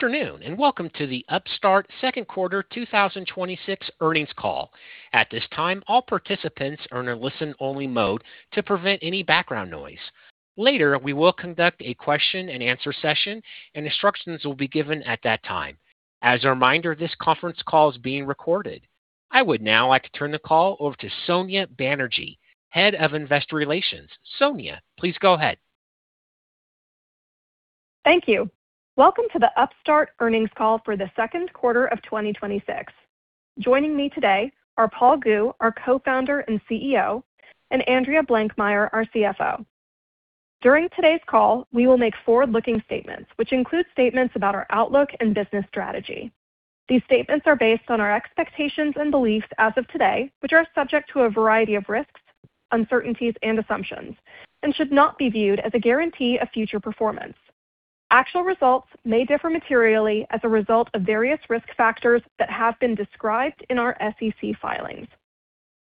Good afternoon, welcome to the Upstart second quarter 2026 earnings call. At this time, all participants are in a listen-only mode to prevent any background noise. Later, we will conduct a question and answer session, instructions will be given at that time. As a reminder, this conference call is being recorded. I would now like to turn the call over to Sonya Banerjee, head of investor relations. Sonya, please go ahead. Thank you. Welcome to the Upstart earnings call for the second quarter of 2026. Joining me today are Paul Gu, our co-founder and CEO, Andrea Blankmeyer, our CFO. During today's call, we will make forward-looking statements, which include statements about our outlook and business strategy. These statements are based on our expectations and beliefs as of today, which are subject to a variety of risks, uncertainties, and assumptions, should not be viewed as a guarantee of future performance. Actual results may differ materially as a result of various risk factors that have been described in our SEC filings.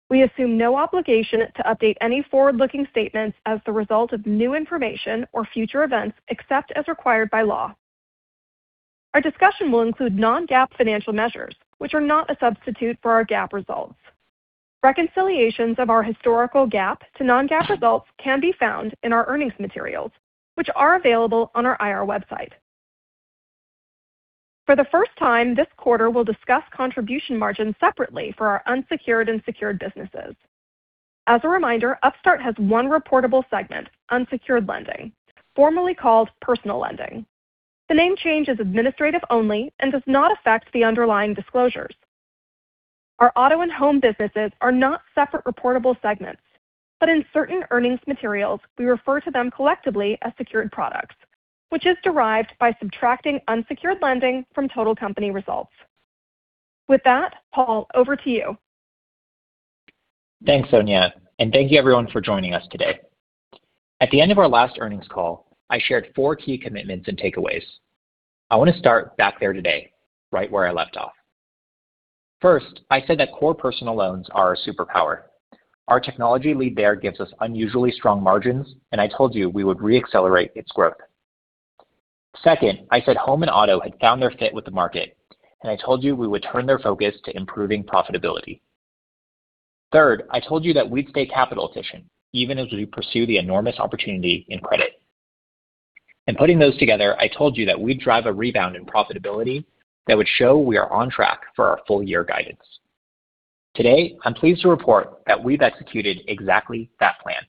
We assume no obligation to update any forward-looking statements as the result of new information or future events, except as required by law. Our discussion will include non-GAAP financial measures, which are not a substitute for our GAAP results. Reconciliations of our historical GAAP to non-GAAP results can be found in our earnings materials, which are available on our IR website. For the first time, this quarter we'll discuss contribution margins separately for our unsecured and secured businesses. As a reminder, Upstart has one reportable segment, unsecured lending, formerly called personal lending. The name change is administrative only and does not affect the underlying disclosures. Our auto and Home businesses are not separate reportable segments, in certain earnings materials, we refer to them collectively as secured products, which is derived by subtracting unsecured lending from total company results. With that, Paul, over to you. Thanks, Sonya, thank you everyone for joining us today. At the end of our last earnings call, I shared four key commitments and takeaways. I want to start back there today, right where I left off. First, I said that core personal loans are our superpower. Our technology lead there gives us unusually strong margins, I told you we would re-accelerate its growth. Second, I said Home and auto had found their fit with the market, I told you we would turn their focus to improving profitability. Third, I told you that we'd stay capital efficient even as we pursue the enormous opportunity in credit. Putting those together, I told you that we'd drive a rebound in profitability that would show we are on track for our full year guidance. Today, I'm pleased to report that we've executed exactly that plan.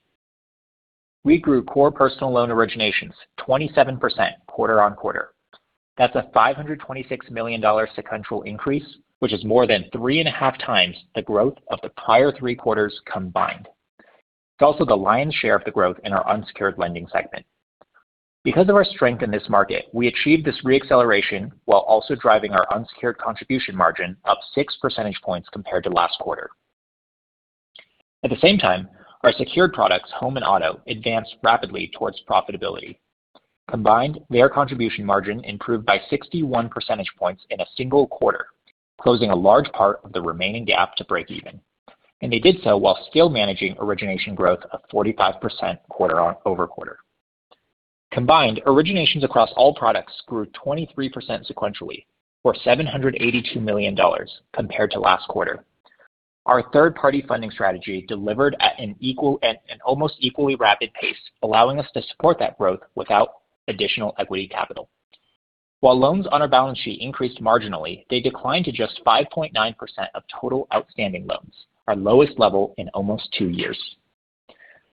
We grew core personal loan originations 27% quarter-over-quarter. That's a $526 million sequential increase, which is more than three and a half times the growth of the prior three quarters combined. It's also the lion's share of the growth in our unsecured lending segment. Because of our strength in this market, we achieved this re-acceleration while also driving our unsecured contribution margin up six percentage points compared to last quarter. At the same time, our secured products, Home and auto, advanced rapidly towards profitability. Combined, their contribution margin improved by 61 percentage points in a single quarter, closing a large part of the remaining gap to breakeven. They did so while still managing origination growth of 45% quarter-over-quarter. Combined, originations across all products grew 23% sequentially, or $782 million compared to last quarter. Our third-party funding strategy delivered at an almost equally rapid pace, allowing us to support that growth without additional equity capital. While loans on our balance sheet increased marginally, they declined to just 5.9% of total outstanding loans, our lowest level in almost two years.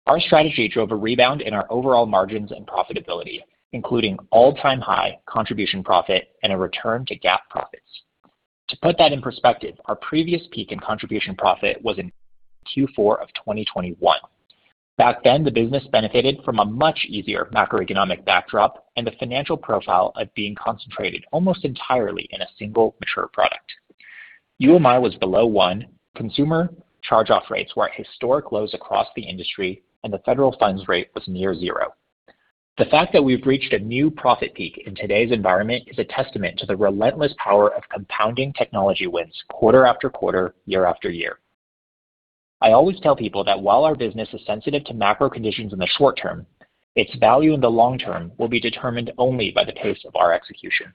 Our strategy drove a rebound in our overall margins and profitability, including all-time high contribution profit and a return to GAAP profits. To put that in perspective, our previous peak in contribution profit was in Q4 of 2021. Back then, the business benefited from a much easier macroeconomic backdrop and the financial profile of being concentrated almost entirely in a single mature product. UMI was below one, consumer charge-off rates were at historic lows across the industry, and the federal funds rate was near zero. The fact that we've reached a new profit peak in today's environment is a testament to the relentless power of compounding technology wins quarter after quarter, year after year. I always tell people that while our business is sensitive to macro conditions in the short term, its value in the long term will be determined only by the pace of our execution.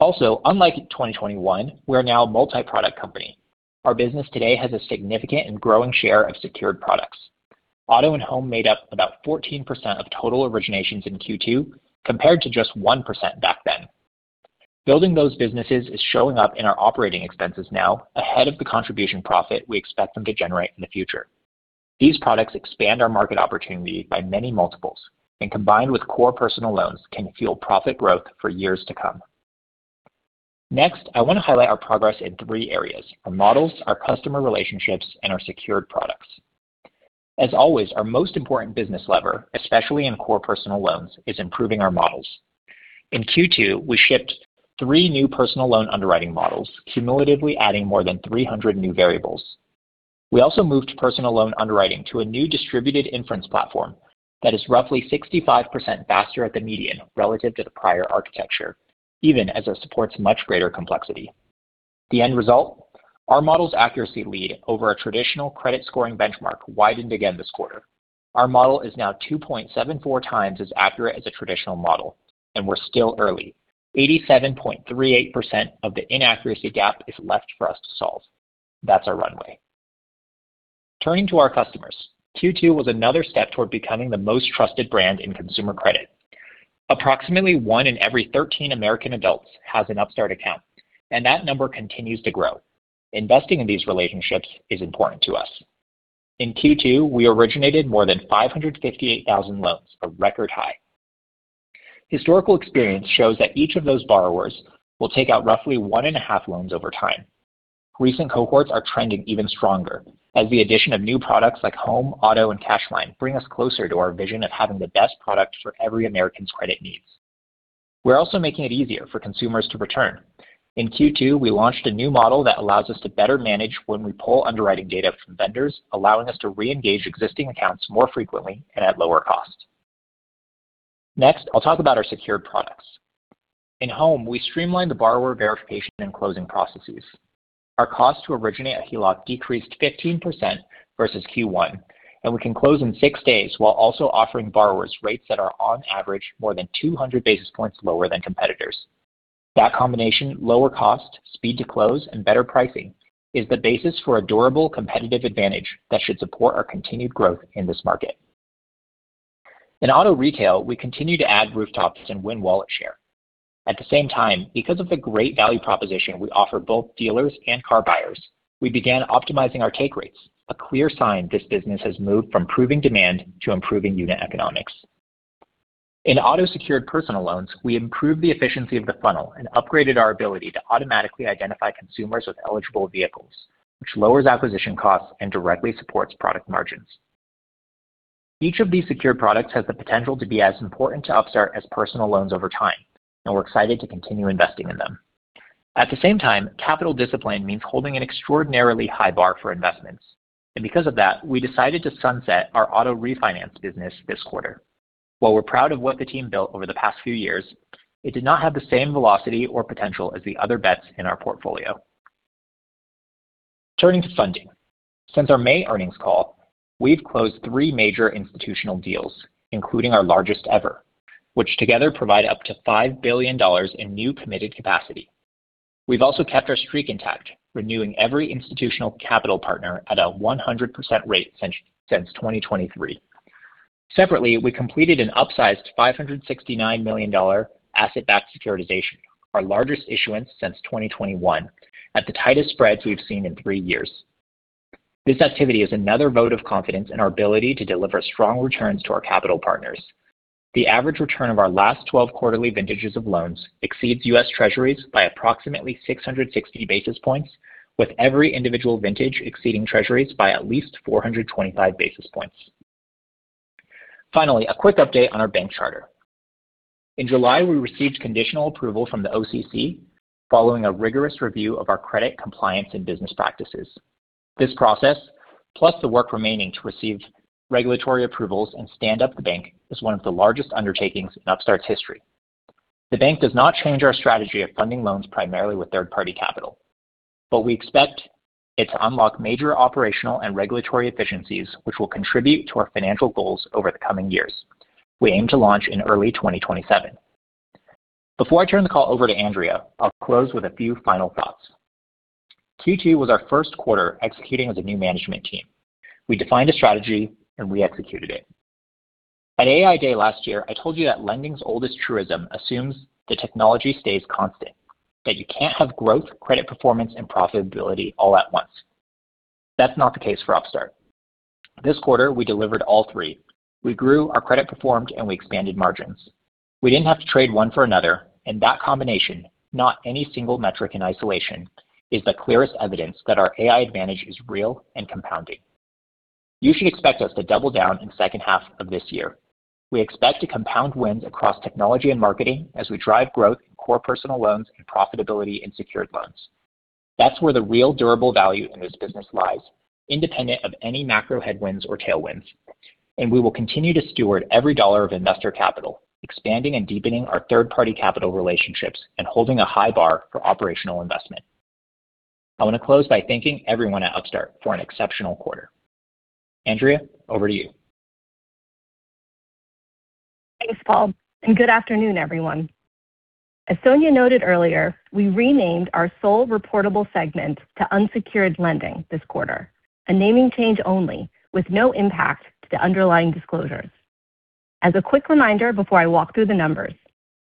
Unlike 2021, we're now a multi-product company. Our business today has a significant and growing share of secured products. Auto and Home made up about 14% of total originations in Q2, compared to just 1% back then. Building those businesses is showing up in our operating expenses now ahead of the contribution profit we expect them to generate in the future. These products expand our market opportunity by many multiples, and combined with core personal loans, can fuel profit growth for years to come. Next, I want to highlight our progress in three areas, our models, our customer relationships, and our secured products. As always, our most important business lever, especially in core personal loans, is improving our models. In Q2, we shipped three new personal loan underwriting models, cumulatively adding more than 300 new variables. We also moved personal loan underwriting to a new distributed inference platform that is roughly 65% faster at the median relative to the prior architecture, even as it supports much greater complexity. The end result, our model's accuracy lead over a traditional credit scoring benchmark widened again this quarter. Our model is now 2.74 times as accurate as a traditional model, and we're still early. 87.38% of the inaccuracy gap is left for us to solve. That's our runway. Turning to our customers, Q2 was another step toward becoming the most trusted brand in consumer credit. Approximately one in every 13 American adults has an Upstart account, and that number continues to grow. Investing in these relationships is important to us. In Q2, we originated more than 558,000 loans, a record high. Historical experience shows that each of those borrowers will take out roughly one and a half loans over time. Recent cohorts are trending even stronger as the addition of new products like Home, auto, and Cash Line bring us closer to our vision of having the best product for every American's credit needs. We're also making it easier for consumers to return. In Q2, we launched a new model that allows us to better manage when we pull underwriting data from vendors, allowing us to reengage existing accounts more frequently and at lower cost. I'll talk about our secured products. In Home, we streamlined the borrower verification and closing processes. Our cost to originate a HELOC decreased 15% versus Q1, and we can close in six days while also offering borrowers rates that are, on average, more than 200 basis points lower than competitors. That combination, lower cost, speed to close, and better pricing, is the basis for a durable competitive advantage that should support our continued growth in this market. At the same time, because of the great value proposition we offer both dealers and car buyers, we began optimizing our take rates, a clear sign this business has moved from proving demand to improving unit economics. In auto secured personal loans, we improved the efficiency of the funnel and upgraded our ability to automatically identify consumers with eligible vehicles, which lowers acquisition costs and directly supports product margins. Each of these secured products has the potential to be as important to Upstart as personal loans over time, and we're excited to continue investing in them. At the same time, capital discipline means holding an extraordinarily high bar for investments. Because of that, we decided to sunset our auto refinance business this quarter. While we're proud of what the team built over the past few years, it did not have the same velocity or potential as the other bets in our portfolio. Turning to funding. Since our May earnings call, we've closed three major institutional deals, including our largest ever, which together provide up to $5 billion in new committed capacity. We've also kept our streak intact, renewing every institutional capital partner at a 100% rate since 2023. Separately, we completed an upsized $569 million asset-backed securitization, our largest issuance since 2021, at the tightest spreads we've seen in three years. This activity is another vote of confidence in our ability to deliver strong returns to our capital partners. The average return of our last 12 quarterly vintages of loans exceeds US Treasuries by approximately 660 basis points, with every individual vintage exceeding Treasuries by at least 425 basis points. Finally, a quick update on our bank charter. In July, we received conditional approval from the OCC following a rigorous review of our credit compliance and business practices. This process, plus the work remaining to receive regulatory approvals and stand up the bank, is one of the largest undertakings in Upstart's history. The bank does not change our strategy of funding loans primarily with third-party capital, but we expect it to unlock major operational and regulatory efficiencies which will contribute to our financial goals over the coming years. We aim to launch in early 2027. Before I turn the call over to Andrea, I'll close with a few final thoughts. Q2 was our first quarter executing as a new management team. We defined a strategy, and we executed it. At AI Day last year, I told you that lending's oldest truism assumes the technology stays constant, that you can't have growth, credit performance, and profitability all at once. That's not the case for Upstart. This quarter, we delivered all three. We grew, our credit performed, and we expanded margins. We didn't have to trade one for another, and that combination, not any single metric in isolation, is the clearest evidence that our AI advantage is real and compounding. You should expect us to double down in second half of this year. We expect to compound wins across technology and marketing as we drive growth in core personal loans and profitability in secured loans. That's where the real durable value in this business lies, independent of any macro headwinds or tailwinds. We will continue to steward every dollar of investor capital, expanding and deepening our third-party capital relationships and holding a high bar for operational investment. I want to close by thanking everyone at Upstart for an exceptional quarter. Andrea, over to you. Thanks, Paul, and good afternoon, everyone. As Sonya noted earlier, we renamed our sole reportable segment to unsecured lending this quarter, a naming change only with no impact to the underlying disclosures. As a quick reminder before I walk through the numbers,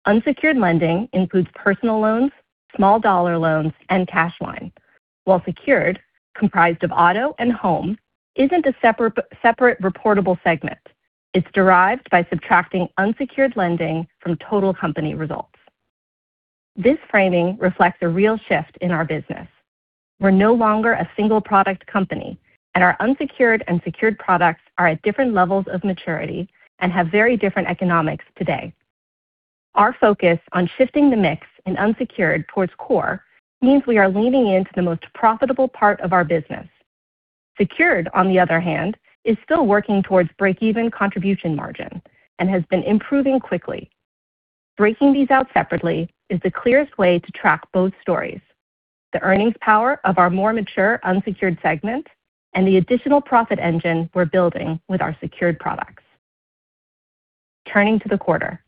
unsecured lending includes personal loans, small-dollar loans, and Cash Line. While secured, comprised of auto and Home, isn't a separate reportable segment. It's derived by subtracting unsecured lending from total company results. This framing reflects a real shift in our business. We're no longer a single-product company, and our unsecured and secured products are at different levels of maturity and have very different economics today. Our focus on shifting the mix in unsecured towards core means we are leaning into the most profitable part of our business. Secured, on the other hand, is still working towards break-even contribution margin and has been improving quickly. Breaking these out separately is the clearest way to track both stories. The earnings power of our more mature unsecured segment and the additional profit engine we're building with our secured products. Turning to the quarter.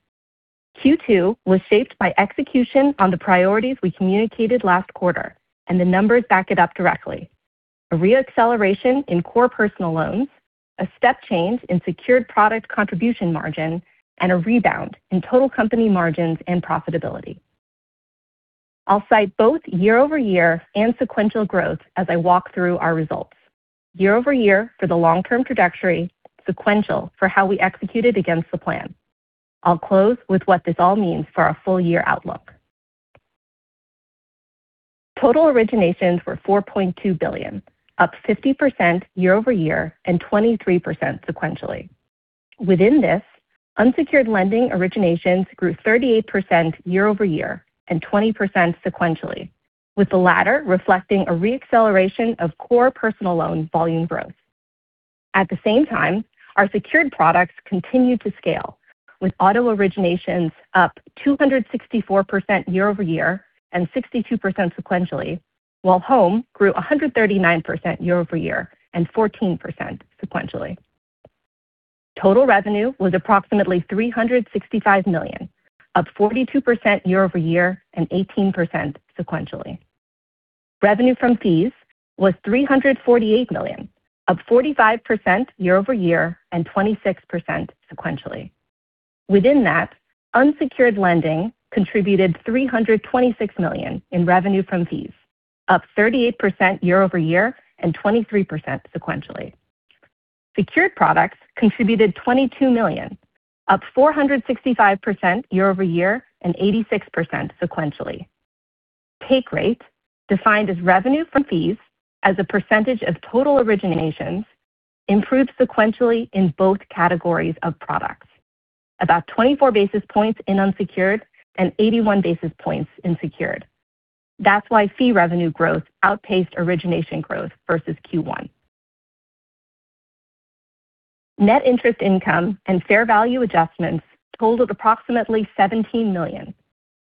Q2 was shaped by execution on the priorities we communicated last quarter, and the numbers back it up directly. A re-acceleration in core personal loans, a step change in secured product contribution margin, and a rebound in total company margins and profitability. I'll cite both year-over-year and sequential growth as I walk through our results. Year-over-year for the long-term trajectory, sequential for how we executed against the plan. I'll close with what this all means for our full-year outlook. Total originations were $4.2 billion, up 50% year-over-year and 23% sequentially. Within this, unsecured lending originations grew 38% year-over-year and 20% sequentially, with the latter reflecting a re-acceleration of core personal loan volume growth. At the same time, our secured products continued to scale, with auto originations up 264% year-over-year and 62% sequentially, while Home grew 139% year-over-year and 14% sequentially. Total revenue was approximately $365 million, up 42% year-over-year and 18% sequentially. Revenue from fees was $348 million, up 45% year-over-year and 26% sequentially. Within that, unsecured lending contributed $326 million in revenue from fees, up 38% year-over-year and 23% sequentially. Secured products contributed $22 million, up 465% year-over-year and 86% sequentially. Take rate, defined as revenue from fees as a percentage of total originations, improved sequentially in both categories of products. About 24 basis points in unsecured and 81 basis points in secured. That's why fee revenue growth outpaced origination growth versus Q1. Net Interest Income and fair value adjustments totaled approximately $17 million,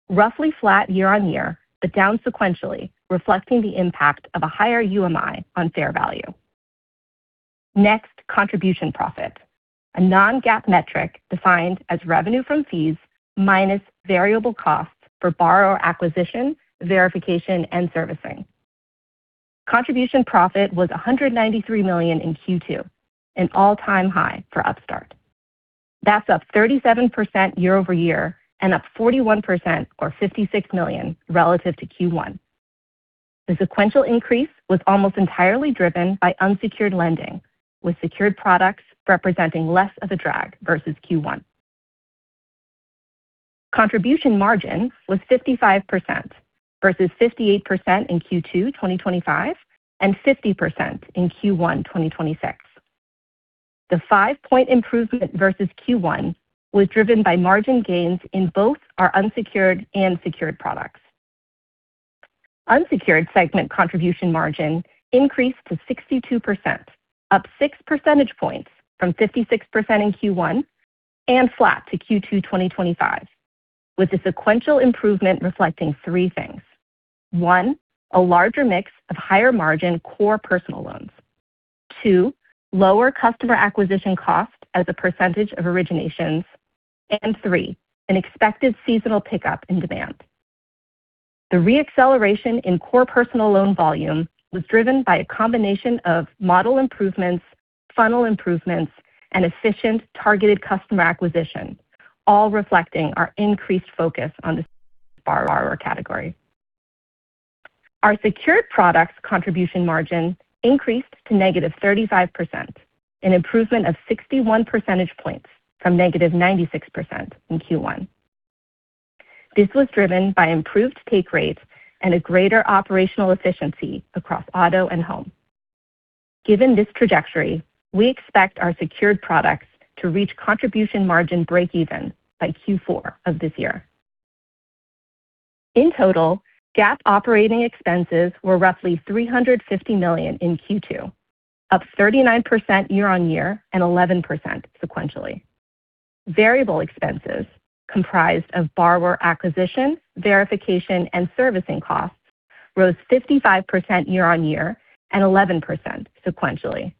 roughly flat year-over-year, but down sequentially, reflecting the impact of a higher UMI on fair value. Contribution profit, a non-GAAP metric defined as revenue from fees minus variable costs for borrower acquisition, verification, and servicing. Contribution profit was $193 million in Q2, an all-time high for Upstart. That's up 37% year-over-year and up 41%, or $56 million relative to Q1. The sequential increase was almost entirely driven by unsecured lending, with secured products representing less of a drag versus Q1. Contribution margin was 55% versus 58% in Q2 2025 and 50% in Q1 2026. The five-point improvement versus Q1 was driven by margin gains in both our unsecured and secured products. Unsecured segment contribution margin increased to 62%, up six percentage points from 56% in Q1 and flat to Q2 2025, with the sequential improvement reflecting three things. One, a larger mix of higher margin core personal loans. Two, lower customer acquisition cost as a percentage of originations. Three, an expected seasonal pickup in demand. The re-acceleration in core personal loan volume was driven by a combination of model improvements, funnel improvements, and efficient targeted customer acquisition, all reflecting our increased focus on the borrower category. Our secured products contribution margin increased to negative 35%, an improvement of 61 percentage points from -96% in Q1. This was driven by improved take rates and a greater operational efficiency across auto and Home. Given this trajectory, we expect our secured products to reach contribution margin breakeven by Q4 of this year. In total, GAAP operating expenses were roughly $350 million in Q2, up 39% year-over-year and 11% sequentially. Variable expenses comprised of borrower acquisition, verification, and servicing costs rose 55% year-over-year and 11% sequentially.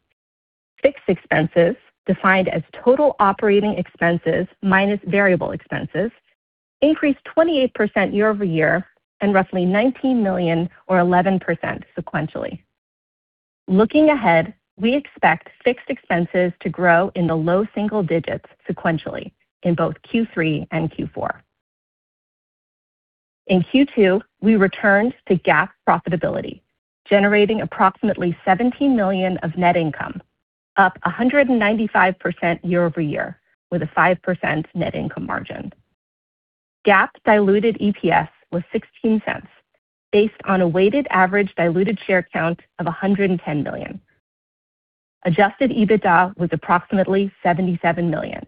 Fixed expenses, defined as total operating expenses minus variable expenses, increased 28% year-over-year and roughly $19 million or 11% sequentially. Looking ahead, we expect fixed expenses to grow in the low single digits sequentially in both Q3 and Q4. In Q2, we returned to GAAP profitability, generating approximately $17 million of net income, up 195% year-over-year with a 5% net income margin. GAAP diluted EPS was $0.16, based on a weighted average diluted share count of 110 million. Adjusted EBITDA was approximately $77 million,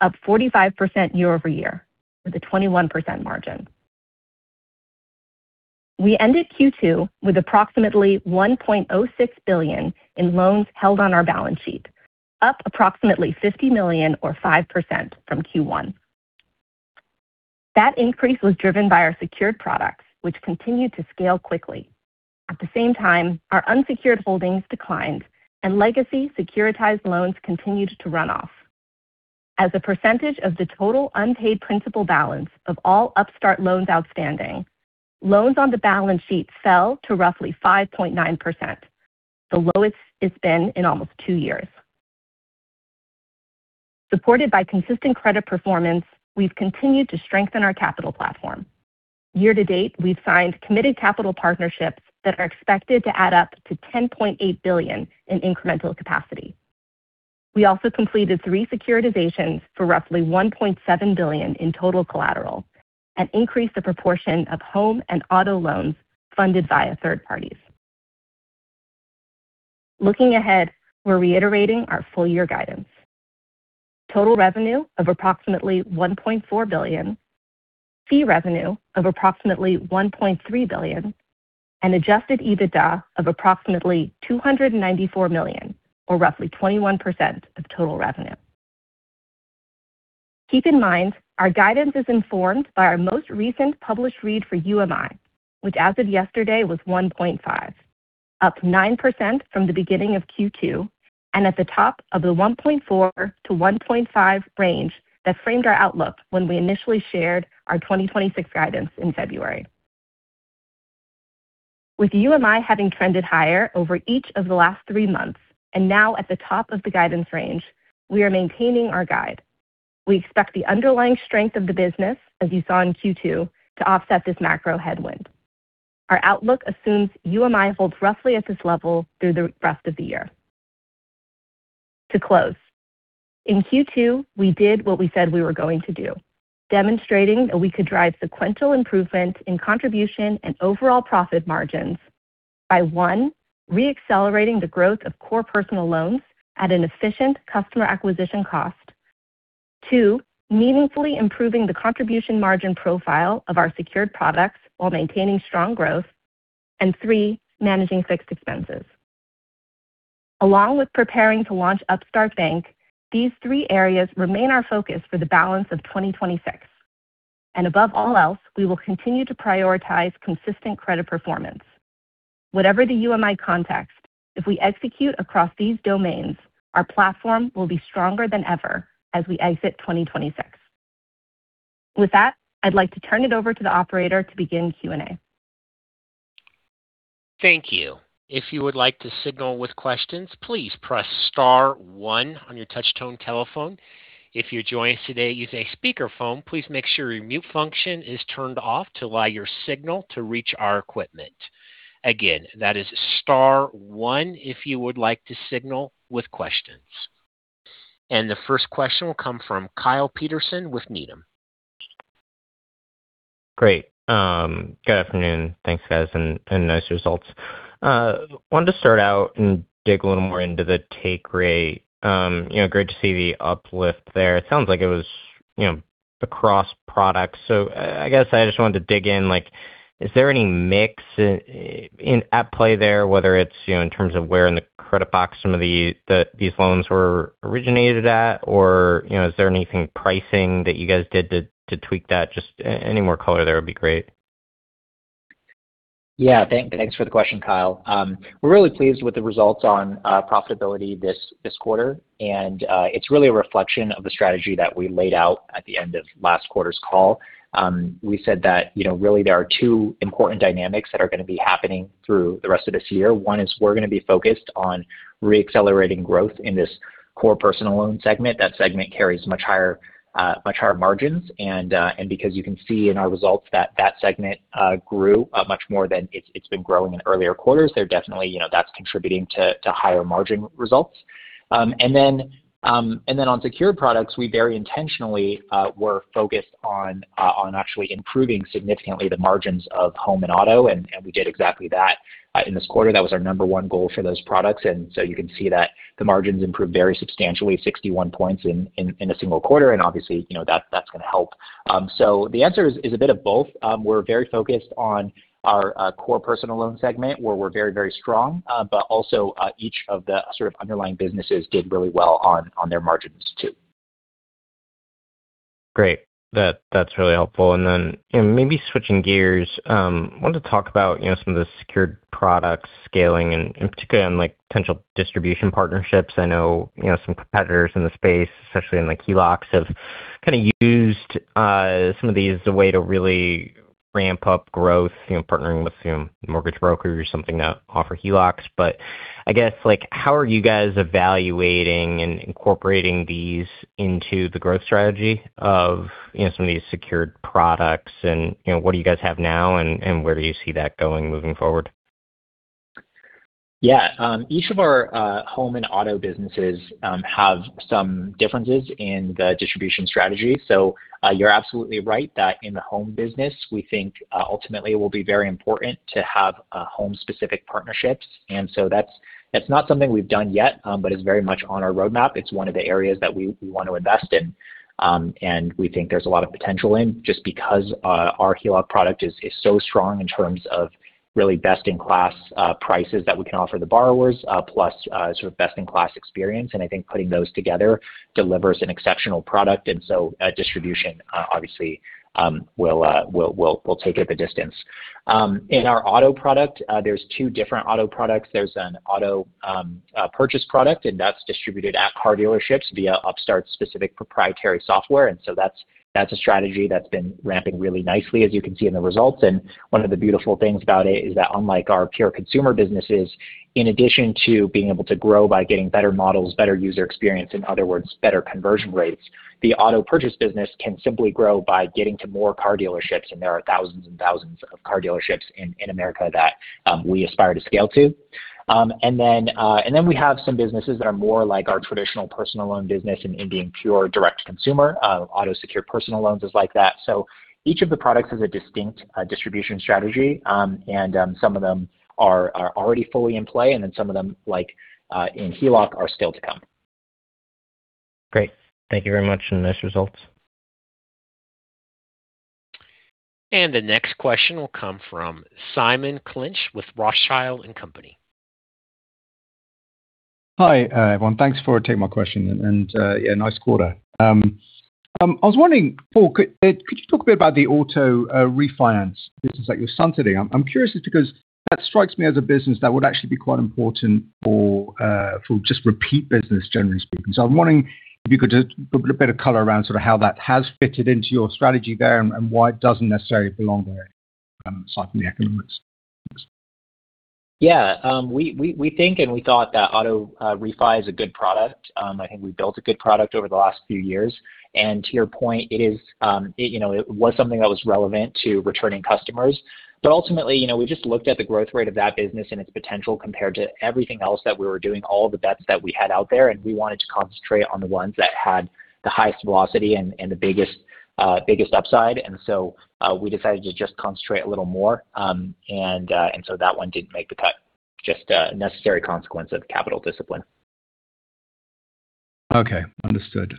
up 45% year-over-year with a 21% margin. We ended Q2 with approximately $1.06 billion in loans held on our balance sheet, up approximately $50 million or 5% from Q1. That increase was driven by our secured products, which continued to scale quickly. At the same time, our unsecured holdings declined, and legacy securitized loans continued to run off. As a percentage of the total unpaid principal balance of all Upstart loans outstanding, loans on the balance sheet fell to roughly 5.9%, the lowest it's been in almost two years. Supported by consistent credit performance, we've continued to strengthen our capital platform. Year to date, we've signed committed capital partnerships that are expected to add up to $10.8 billion in incremental capacity. We also completed three securitizations for roughly $1.7 billion in total collateral and increased the proportion of Home and auto loans funded via third parties. Looking ahead, we're reiterating our full year guidance. Total revenue of approximately $1.4 billion, fee revenue of approximately $1.3 billion, and adjusted EBITDA of approximately $294 million or roughly 21% of total revenue. Keep in mind, our guidance is informed by our most recent published read for UMI, which as of yesterday was 1.50, up 9% from the beginning of Q2, and at the top of the 1.40-1.50 range that framed our outlook when we initially shared our 2026 guidance in February. With UMI having trended higher over each of the last three months, and now at the top of the guidance range, we are maintaining our guide. We expect the underlying strength of the business, as you saw in Q2, to offset this macro headwind. Our outlook assumes UMI holds roughly at this level through the rest of the year. To close, in Q2, we did what we said we were going to do, demonstrating that we could drive sequential improvement in contribution and overall profit margins by, one, re-accelerating the growth of core personal loans at an efficient customer acquisition cost, two, meaningfully improving the contribution margin profile of our secured products while maintaining strong growth, and three, managing fixed expenses. Along with preparing to launch Upstart Bank, these three areas remain our focus for the balance of 2026. Above all else, we will continue to prioritize consistent credit performance. Whatever the UMI context, if we execute across these domains, our platform will be stronger than ever as we exit 2026. With that, I'd like to turn it over to the operator to begin Q&A. Thank you. If you would like to signal with questions, please press star one on your touchtone telephone. If you're joining us today using a speakerphone, please make sure your mute function is turned off to allow your signal to reach our equipment. Again, that is star one if you would like to signal with questions. The first question will come from Kyle Peterson with Needham. Great. Good afternoon. Thanks, guys, and nice results. I wanted to start out and dig a little more into the take rate. Great to see the uplift there. It sounds like it was across products. I guess I just wanted to dig in. Is there any mix at play there, whether it's in terms of where in the credit box some of these loans were originated at, or is there anything pricing that you guys did to tweak that? Just any more color there would be great. Thanks for the question, Kyle. We're really pleased with the results on profitability this quarter, and it's really a reflection of the strategy that we laid out at the end of last quarter's call. We said that really there are two important dynamics that are going to be happening through the rest of this year. One is, we're going to be focused on re-accelerating growth in this core personal loan segment. That segment carries much higher margins. Because you can see in our results that that segment grew much more than it's been growing in earlier quarters, that's contributing to higher margin results. On secured products, we very intentionally were focused on actually improving significantly the margins of Home and auto, and we did exactly that in this quarter. That was our number 1 goal for those products. You can see that the margins improved very substantially, 61 points in a single quarter. Obviously, that's going to help. The answer is a bit of both. We're very focused on our core personal loan segment, where we're very strong. Also, each of the sort of underlying businesses did really well on their margins too. Great. That's really helpful. Maybe switching gears, I wanted to talk about some of the secured product scaling and in particular on potential distribution partnerships. I know some competitors in the space, especially in the HELOCs, have kind of used some of these as a way to really ramp up growth, partnering with mortgage brokers or something that offer HELOCs. I guess, how are you guys evaluating and incorporating these into the growth strategy of some of these secured products? What do you guys have now, and where do you see that going moving forward? Yeah. Each of our Home and auto businesses have some differences in the distribution strategy. You're absolutely right that in the Home business, we think ultimately it will be very important to have Home-specific partnerships. That's not something we've done yet but is very much on our roadmap. It's one of the areas that we want to invest in. We think there's a lot of potential in just because our HELOC product is so strong in terms of really best-in-class prices that we can offer the borrowers, plus sort of best-in-class experience. I think putting those together delivers an exceptional product. Distribution obviously will take it the distance. In our auto product, there's two different auto products. There's an auto purchase product, and that's distributed at car dealerships via Upstart's specific proprietary software. That's a strategy that's been ramping really nicely, as you can see in the results. One of the beautiful things about it is that unlike our pure consumer businesses, in addition to being able to grow by getting better models, better user experience, in other words, better conversion rates, the auto purchase business can simply grow by getting to more car dealerships, and there are thousands and thousands of car dealerships in America that we aspire to scale to. We have some businesses that are more like our traditional personal loan business and being pure direct to consumer. Auto secure personal loans is like that. Each of the products has a distinct distribution strategy, and some of them are already fully in play and then some of them, like in HELOC, are still to come. Great. Thank you very much on those results. The next question will come from Simon Clinch with Rothschild & Co. Hi, everyone. Thanks for taking my question. Yeah, nice quarter. I was wondering, Paul, could you talk a bit about the auto refinance business that you're sun setting? I'm curious just because that strikes me as a business that would actually be quite important for just repeat business, generally speaking. I'm wondering if you could just put a bit of color around how that has fitted into your strategy there and why it doesn't necessarily belong there aside from the economics. Thanks. Yeah. We think and we thought that auto refi is a good product. I think we built a good product over the last few years. To your point, it was something that was relevant to returning customers. Ultimately, we just looked at the growth rate of that business and its potential compared to everything else that we were doing, all the bets that we had out there, and we wanted to concentrate on the ones that had the highest velocity and the biggest upside. We decided to just concentrate a little more. That one didn't make the cut, just a necessary consequence of capital discipline. Okay. Understood.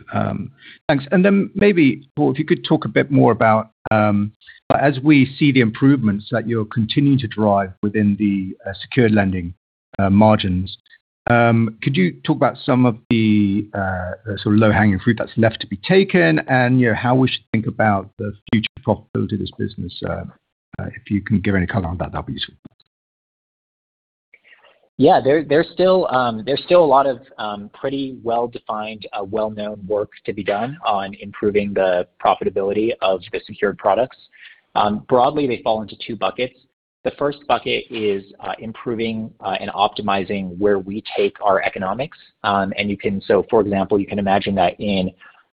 Thanks. Maybe, Paul, if you could talk a bit more about as we see the improvements that you're continuing to drive within the secured lending margins, could you talk about some of the low-hanging fruit that's left to be taken and how we should think about the future profitability of this business? If you can give any color on that'd be useful. Yeah. There's still a lot of pretty well-defined, well-known work to be done on improving the profitability of the secured products. Broadly, they fall into two buckets. The first bucket is improving and optimizing where we take our economics. For example, you can imagine that in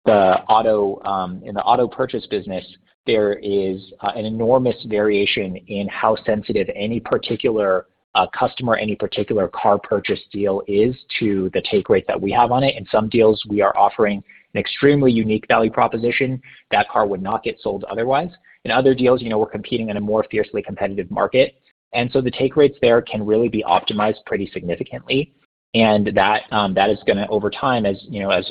the auto purchase business, there is an enormous variation in how sensitive any particular customer, any particular car purchase deal is to the take rate that we have on it. In some deals we are offering an extremely unique value proposition. That car would not get sold otherwise. In other deals, we're competing in a more fiercely competitive market. The take rates there can really be optimized pretty significantly. That is going to over time as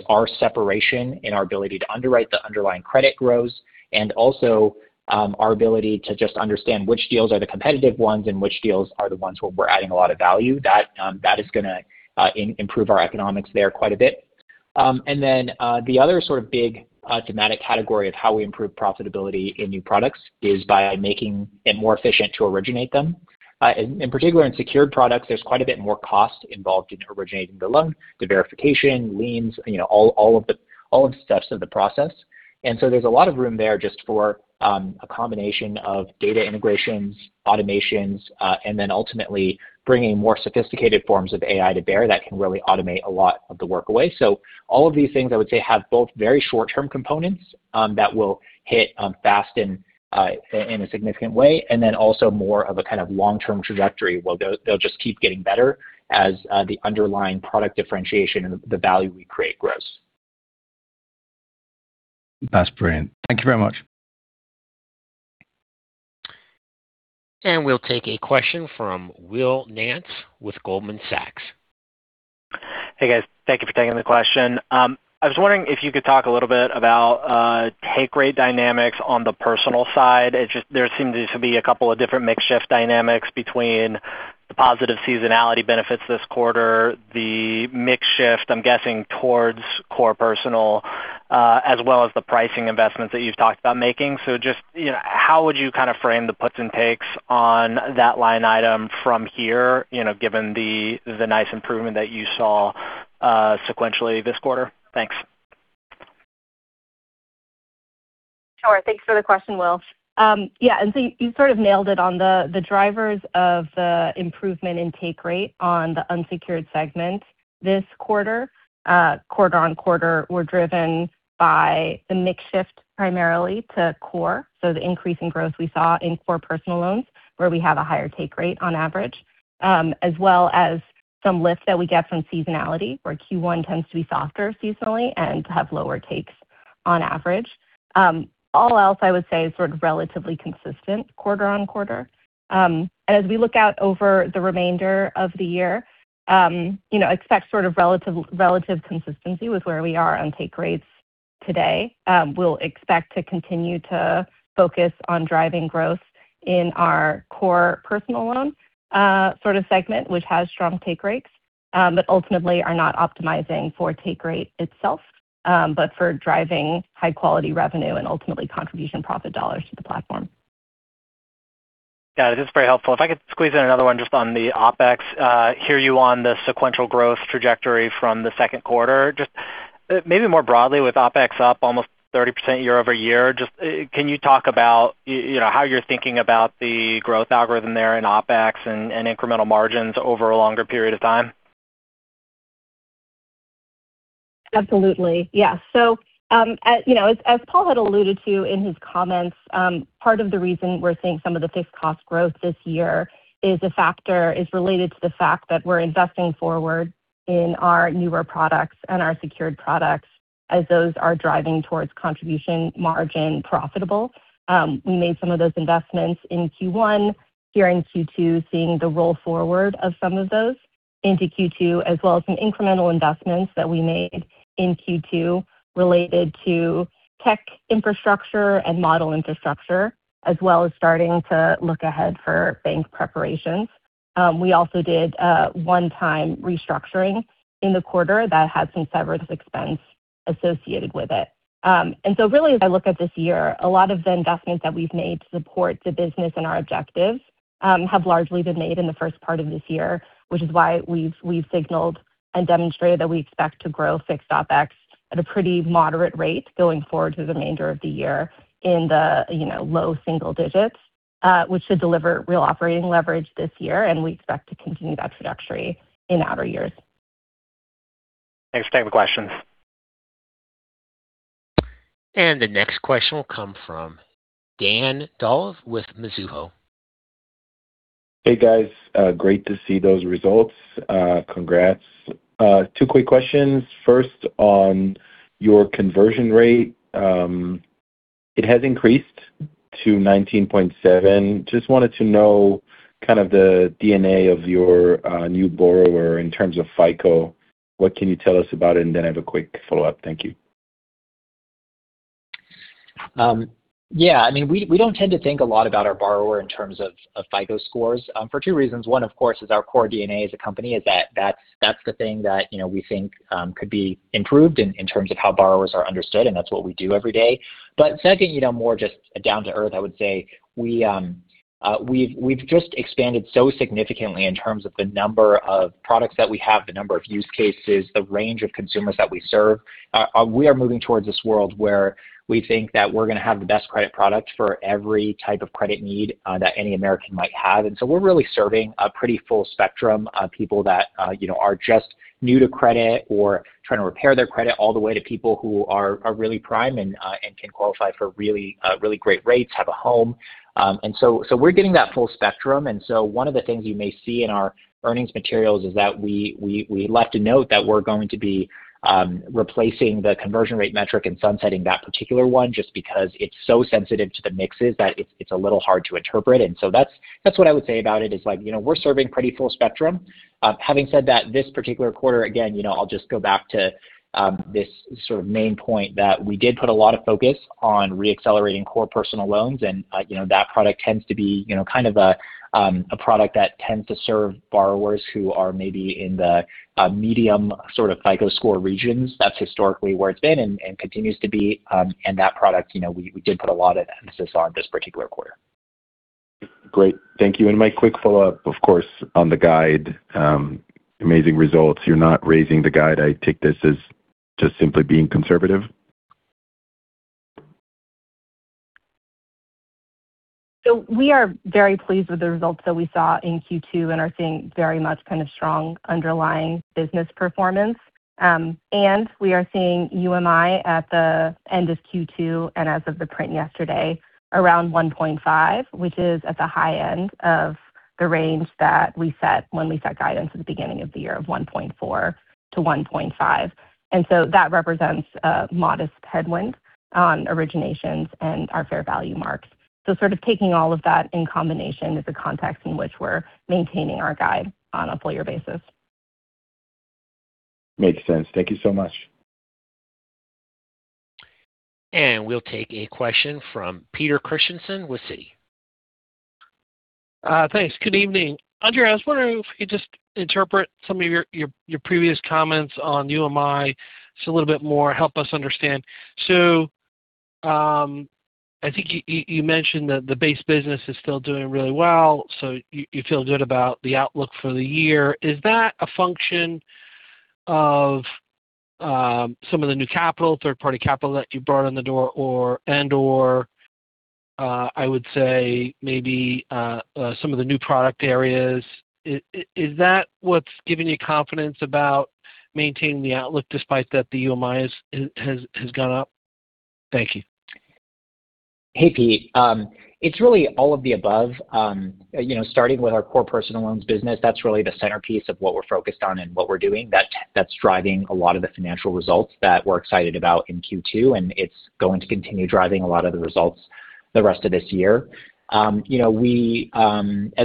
our separation and our ability to underwrite the underlying credit grows and also our ability to just understand which deals are the competitive ones and which deals are the ones where we're adding a lot of value, that is going to improve our economics there quite a bit. The other big thematic category of how we improve profitability in new products is by making it more efficient to originate them. In particular, in secured products, there's quite a bit more cost involved in originating the loan, the verification, liens, all of the steps of the process. There's a lot of room there just for a combination of data integrations, automations, and then ultimately bringing more sophisticated forms of AI to bear that can really automate a lot of the work away. All of these things, I would say, have both very short-term components that will hit fast and in a significant way, and then also more of a kind of long-term trajectory where they'll just keep getting better as the underlying product differentiation and the value we create grows. That's brilliant. Thank you very much. We'll take a question from Will Nance with Goldman Sachs. Hey, guys. Thank you for taking the question. I was wondering if you could talk a little bit about take rate dynamics on the personal side. There seem to be a couple of different mix shift dynamics between the positive seasonality benefits this quarter, the mix shift, I'm guessing towards core personal, as well as the pricing investments that you've talked about making. Just how would you kind of frame the puts and takes on that line item from here given the nice improvement that you saw sequentially this quarter? Thanks. Sure. Thanks for the question, Will. Yeah. You sort of nailed it on the drivers of the improvement in take rate on the unsecured segment this quarter. Quarter-on-quarter, we're driven by the mix shift primarily to core. The increase in growth we saw in core personal loans where we have a higher take rate on average as well as some lift that we get from seasonality where Q1 tends to be softer seasonally and to have lower takes on average. All else I would say is sort of relatively consistent quarter-on-quarter. As we look out over the remainder of the year, expect sort of relative consistency with where we are on take rates today. We'll expect to continue to focus on driving growth in our core personal loan segment, which has strong take rates. Ultimately are not optimizing for take rate itself, but for driving high-quality revenue and ultimately contribution profit dollars to the platform. Got it. This is very helpful. If I could squeeze in another one just on the OpEx. Hear you on the sequential growth trajectory from the second quarter. Just maybe more broadly with OpEx up almost 30% year-over-year, can you talk about how you're thinking about the growth algorithm there in OpEx and incremental margins over a longer period of time? Absolutely. Yeah. As Paul had alluded to in his comments, part of the reason we're seeing some of the fixed cost growth this year is related to the fact that we're investing forward in our newer products and our secured products as those are driving towards contribution margin profitable. We made some of those investments in Q1. Here in Q2, seeing the roll forward of some of those into Q2, as well as some incremental investments that we made in Q2 related to tech infrastructure and model infrastructure, as well as starting to look ahead for bank preparations. We also did a one-time restructuring in the quarter that had some severance expense associated with it. Really, as I look at this year, a lot of the investments that we've made to support the business and our objectives have largely been made in the first part of this year, which is why we've signaled and demonstrated that we expect to grow fixed OpEx at a pretty moderate rate going forward through the remainder of the year in the low single digits, which should deliver real operating leverage this year. We expect to continue that trajectory in outer years. Thanks. I have no more questions. The next question will come from Dan Dolev with Mizuho. Hey, guys. Great to see those results. Congrats. Two quick questions. First, on your conversion rate. It has increased to 19.7%. Just wanted to know kind of the DNA of your new borrower in terms of FICO. What can you tell us about it? Then I have a quick follow-up. Thank you. Yeah. We don't tend to think a lot about our borrower in terms of FICO scores for two reasons. One, of course, is our core DNA as a company is that that's the thing that we think could be improved in terms of how borrowers are understood, and that's what we do every day. Second, more just down to earth, I would say we've just expanded so significantly in terms of the number of products that we have, the number of use cases, the range of consumers that we serve. We are moving towards this world where we think that we're going to have the best credit product for every type of credit need that any American might have. We're really serving a pretty full spectrum of people that are just new to credit or trying to repair their credit, all the way to people who are really prime and can qualify for really great rates, have a Home. We're getting that full spectrum. One of the things you may see in our earnings materials is that we like to note that we're going to be replacing the conversion rate metric and sunsetting that particular one just because it's so sensitive to the mixes that it's a little hard to interpret. That's what I would say about it is we're serving pretty full spectrum. Having said that, this particular quarter, again, I'll just go back to this sort of main point that we did put a lot of focus on re-accelerating core personal loans. That product tends to serve borrowers who are maybe in the medium sort of FICO score regions. That's historically where it's been and continues to be. That product, we did put a lot of emphasis on this particular quarter. Great. Thank you. My quick follow-up, of course, on the guide. Amazing results. You're not raising the guide. I take this as just simply being conservative. We are very pleased with the results that we saw in Q2 and are seeing very much kind of strong underlying business performance. We are seeing UMI at the end of Q2, and as of the print yesterday, around 1.50, which is at the high end of the range that we set when we set guidance at the beginning of the year of 1.40-1.50. That represents a modest headwind on originations and our fair value marks. Sort of taking all of that in combination is the context in which we're maintaining our guide on a full-year basis. Makes sense. Thank you so much. We'll take a question from Peter Christiansen with Citi. Thanks. Good evening. Andrea, I was wondering if you could just interpret some of your previous comments on UMI just a little bit more, help us understand. I think you mentioned that the base business is still doing really well, so you feel good about the outlook for the year. Is that a function of some of the new capital, third-party capital that you brought on the door and/or, I would say, maybe some of the new product areas? Is that what's giving you confidence about maintaining the outlook despite that the UMI has gone up? Thank you. Hey, Peter. It's really all of the above. Starting with our core personal loans business, that's really the centerpiece of what we're focused on and what we're doing. That's driving a lot of the financial results that we're excited about in Q2, and it's going to continue driving a lot of the results the rest of this year. As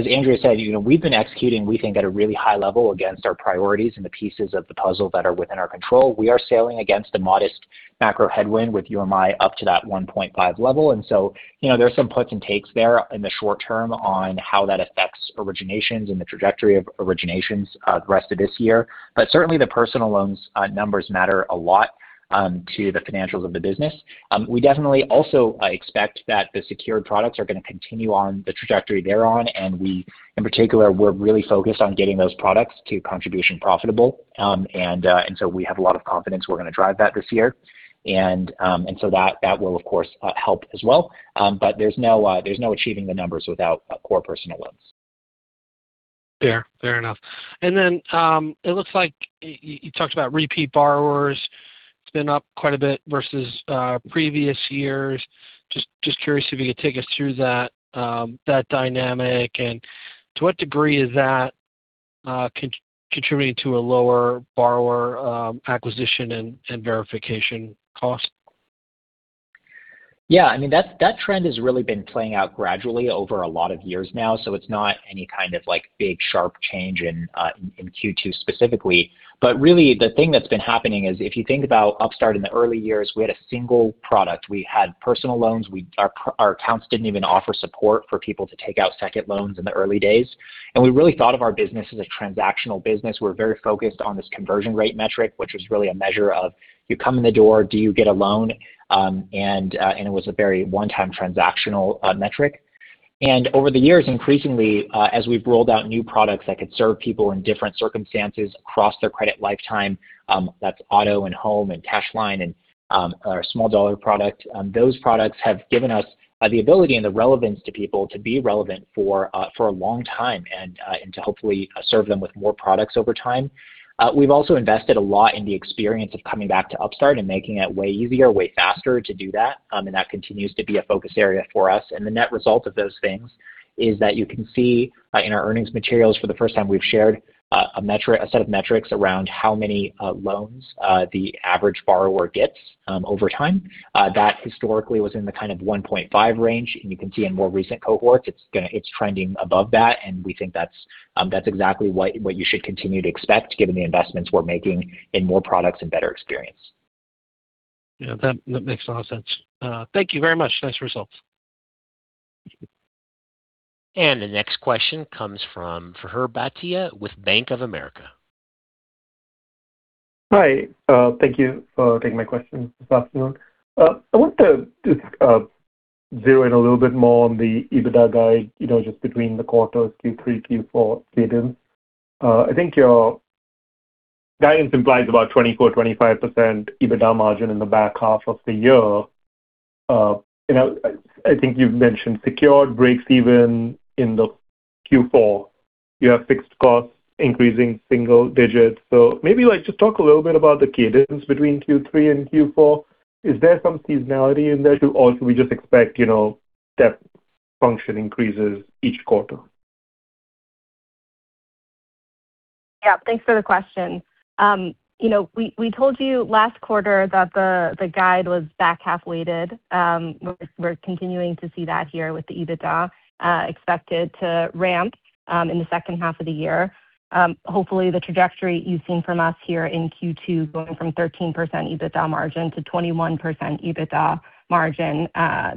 Andrea said, we've been executing, we think at a really high level against our priorities and the pieces of the puzzle that are within our control. We are sailing against a modest macro headwind with UMI up to that 1.5 level. There's some puts and takes there in the short term on how that affects originations and the trajectory of originations the rest of this year. Certainly, the personal loans numbers matter a lot to the financials of the business. We definitely also expect that the secured products are going to continue on the trajectory they're on, and we, in particular, we're really focused on getting those products to contribution profitable. We have a lot of confidence we're going to drive that this year. That will, of course, help as well. There's no achieving the numbers without core personal loans. Fair. Fair enough. Then, it looks like you talked about repeat borrowers. It's been up quite a bit versus previous years. Just curious if you could take us through that dynamic and to what degree is that contributing to a lower borrower acquisition and verification cost? Yeah, I mean, that trend has really been playing out gradually over a lot of years now, so it's not any kind of big, sharp change in Q2 specifically. Really the thing that's been happening is if you think about Upstart in the early years, we had a single product. We had personal loans. Our accounts didn't even offer support for people to take out second loans in the early days. We really thought of our business as a transactional business. We're very focused on this conversion rate metric, which was really a measure of you come in the door, do you get a loan? It was a very one-time transactional metric. Over the years, increasingly, as we've rolled out new products that could serve people in different circumstances across their credit lifetime, that's auto and Home and Cash Line and our small dollar product. Those products have given us the ability and the relevance to people to be relevant for a long time and to hopefully serve them with more products over time. We've also invested a lot in the experience of coming back to Upstart and making it way easier, way faster to do that. That continues to be a focus area for us. The net result of those things is that you can see in our earnings materials for the first time, we've shared a set of metrics around how many loans the average borrower gets over time. That historically was in the kind of 1.50 range. You can see in more recent cohorts, it's trending above that. We think that's exactly what you should continue to expect given the investments we're making in more products and better experience. Yeah, that makes a lot of sense. Thank you very much. Nice results. Thank you. The next question comes from Mihir Bhatia with Bank of America. Hi. Thank you for taking my question this afternoon. I want to just zero in a little bit more on the EBITDA guide, just between the quarters, Q3, Q4 cadence. I think your guidance implies about 24%, 25% EBITDA margin in the back half of the year. I think you've mentioned secured breaks even in the Q4. You have fixed costs increasing single digits. Maybe like just talk a little bit about the cadence between Q3 and Q4. Is there some seasonality in there too, or should we just expect step function increases each quarter? Yeah. Thanks for the question. We told you last quarter that the guide was back half weighted. We're continuing to see that here with the EBITDA expected to ramp in the second half of the year. Hopefully, the trajectory you've seen from us here in Q2 going from 13% EBITDA margin to 21% EBITDA margin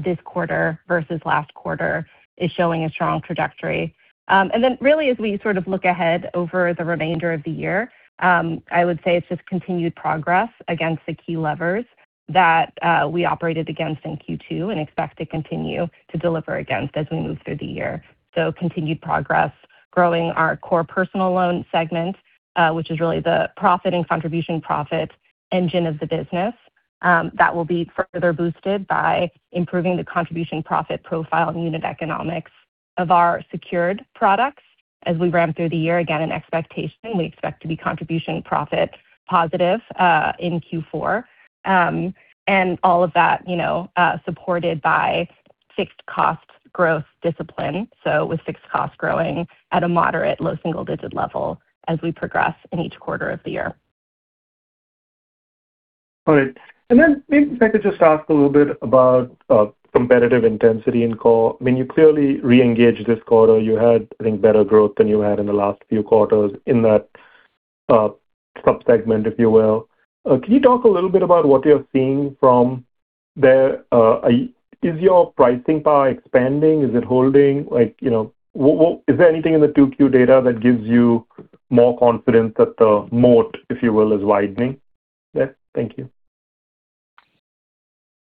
this quarter versus last quarter is showing a strong trajectory. Really as we look ahead over the remainder of the year, I would say it's just continued progress against the key levers that we operated against in Q2 and expect to continue to deliver against as we move through the year. Continued progress growing our core personal loan segment, which is really the profit and contribution profit engine of the business. That will be further boosted by improving the contribution profit profile and unit economics of our secured products as we ramp through the year. Again, an expectation we expect to be contribution profit positive in Q4. All of that supported by fixed cost growth discipline. With fixed costs growing at a moderate low single digit level as we progress in each quarter of the year. All right. Maybe if I could just ask a little bit about competitive intensity in core. I mean, you clearly reengaged this quarter. You had, I think, better growth than you had in the last few quarters in that sub-segment, if you will. Can you talk a little bit about what you're seeing from there? Is your pricing power expanding? Is it holding? Is there anything in the 2Q data that gives you more confidence that the moat, if you will, is widening there? Thank you.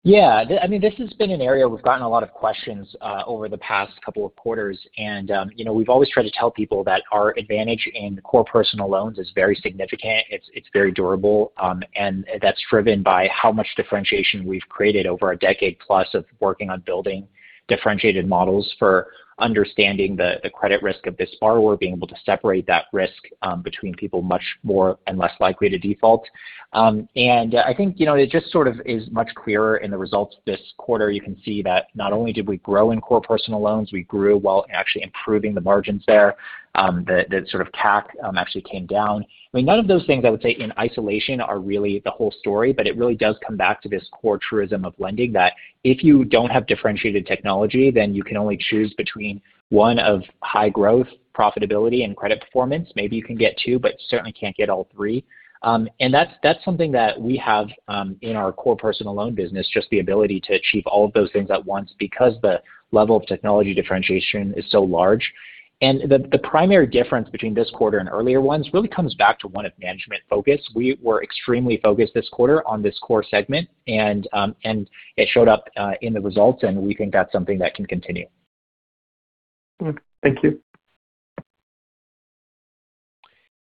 Yeah. I mean, this has been an area we've gotten a lot of questions over the past couple of quarters. We've always tried to tell people that our advantage in core personal loans is very significant. It's very durable. That's driven by how much differentiation we've created over a decade plus of working on building differentiated models for understanding the credit risk of this borrower, being able to separate that risk between people much more and less likely to default. I think it just sort of is much clearer in the results this quarter. You can see that not only did we grow in core personal loans, we grew while actually improving the margins there. The sort of CAC actually came down. I mean, none of those things I would say in isolation are really the whole story, but it really does come back to this core truism of lending that if you don't have differentiated technology, then you can only choose between one of high growth, profitability, and credit performance. Maybe you can get two, but certainly can't get all three. That's something that we have in our core personal loan business, just the ability to achieve all of those things at once because the level of technology differentiation is so large. The primary difference between this quarter and earlier ones really comes back to one of management focus. We were extremely focused this quarter on this core segment and it showed up in the results, and we think that's something that can continue. Good. Thank you.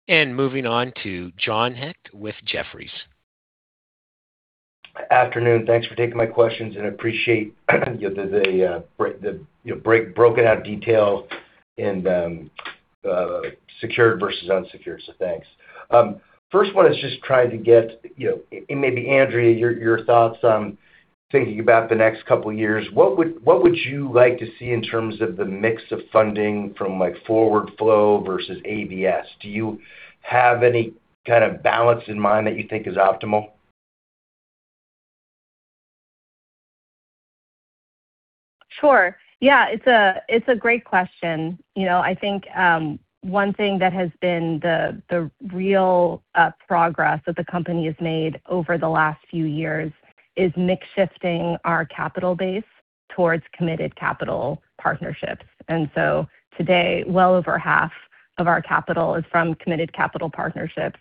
moving on to John Hecht with Jefferies. Afternoon. Thanks for taking my questions and appreciate the broken out detail and secured versus unsecured. Thanks. First one is just trying to get, and maybe Andrea, your thoughts on thinking about the next couple of years. What would you like to see in terms of the mix of funding from forward flow versus ABS? Do you have any kind of balance in mind that you think is optimal? Sure. Yeah, it's a great question. I think one thing that has been the real progress that the company has made over the last few years is mix-shifting our capital base towards committed capital partnerships. Today, well over half of our capital is from committed capital partnerships.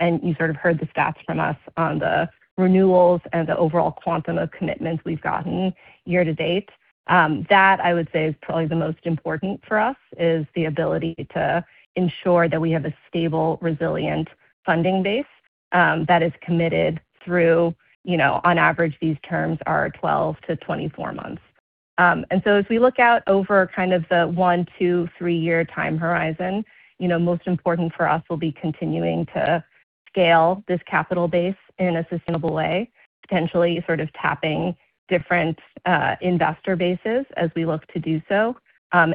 You sort of heard the stats from us on the renewals and the overall quantum of commitments we've gotten year to date. That, I would say, is probably the most important for us, is the ability to ensure that we have a stable, resilient funding base that is committed through, on average, these terms are 12-24 months. As we look out over kind of the one, two, three-year time horizon, most important for us will be continuing to scale this capital base in a sustainable way, potentially sort of tapping different investor bases as we look to do so.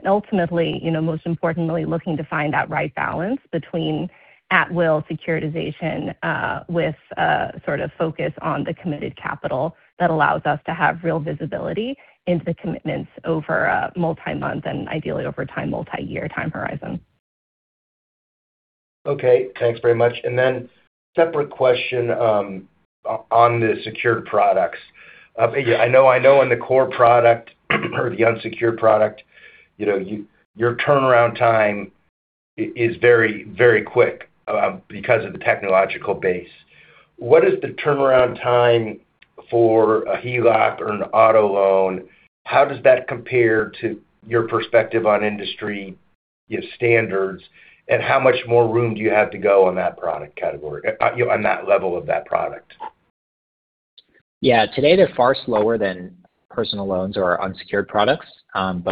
Ultimately, most importantly, looking to find that right balance between at-will securitization, with sort of focus on the committed capital that allows us to have real visibility into the commitments over a multi-month and ideally over time, multi-year time horizon. Okay. Thanks very much. Separate question on the secured products. I know in the core product or the unsecured product, your turnaround time is very quick because of the technological base. What is the turnaround time for a HELOC or an auto loan? How does that compare to your perspective on industry standards, and how much more room do you have to go on that product category, on that level of that product? Yeah. Today, they're far slower than personal loans or our unsecured products.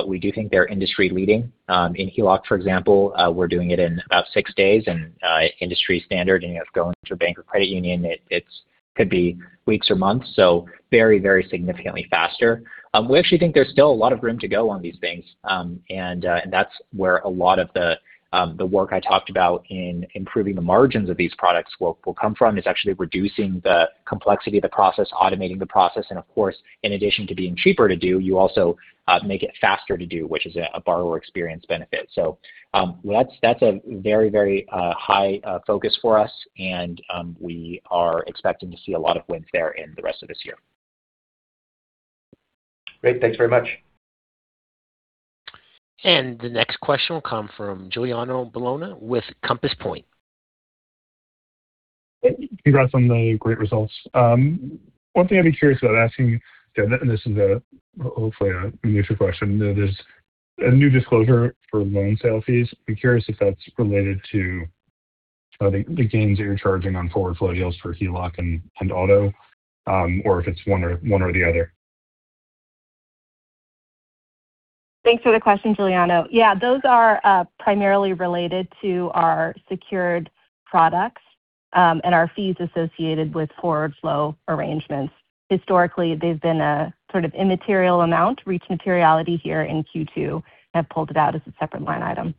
We do think they're industry-leading. In HELOC, for example, we're doing it in about six days, and industry standard, if you're going through a bank or credit union, it could be weeks or months. Very, very significantly faster. We actually think there's still a lot of room to go on these things. That's where a lot of the work I talked about in improving the margins of these products will come from, is actually reducing the complexity of the process, automating the process, and of course, in addition to being cheaper to do, you also make it faster to do, which is a borrower experience benefit. That's a very high focus for us. We are expecting to see a lot of wins there in the rest of this year. Great. Thanks very much. The next question will come from Giuliano Bologna with Compass Point. Congrats on the great results. One thing I'd be curious about asking you, and this is hopefully a mutual question. There's a new disclosure for loan sale fees. I'm curious if that's related to the gains that you're charging on forward flow deals for HELOC and auto, or if it's one or the other. Thanks for the question, Giuliano. Yeah, those are primarily related to our secured products, and are fees associated with forward flow arrangements. Historically, they've been a sort of immaterial amount. Reach materiality here in Q2 have pulled it out as a separate line item.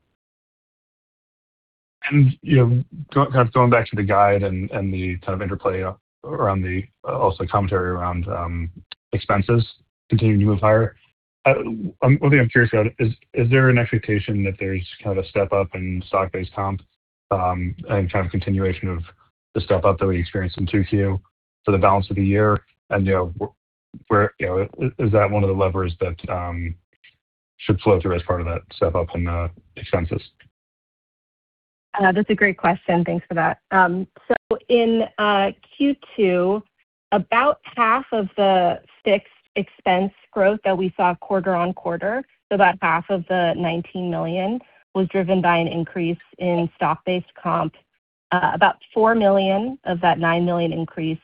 Going back to the guide and the kind of interplay also commentary around expenses continuing to move higher. One thing I'm curious about is there an expectation that there's kind of a step up in stock-based comp, and kind of continuation of the step up that we experienced in 2Q for the balance of the year? Is that one of the levers that should flow through as part of that step up in the expenses? That's a great question. Thanks for that. In Q2, about half of the fixed expense growth that we saw quarter-over-quarter, about half of the $19 million, was driven by an increase in stock-based comp. About $4 million of that $9 million increase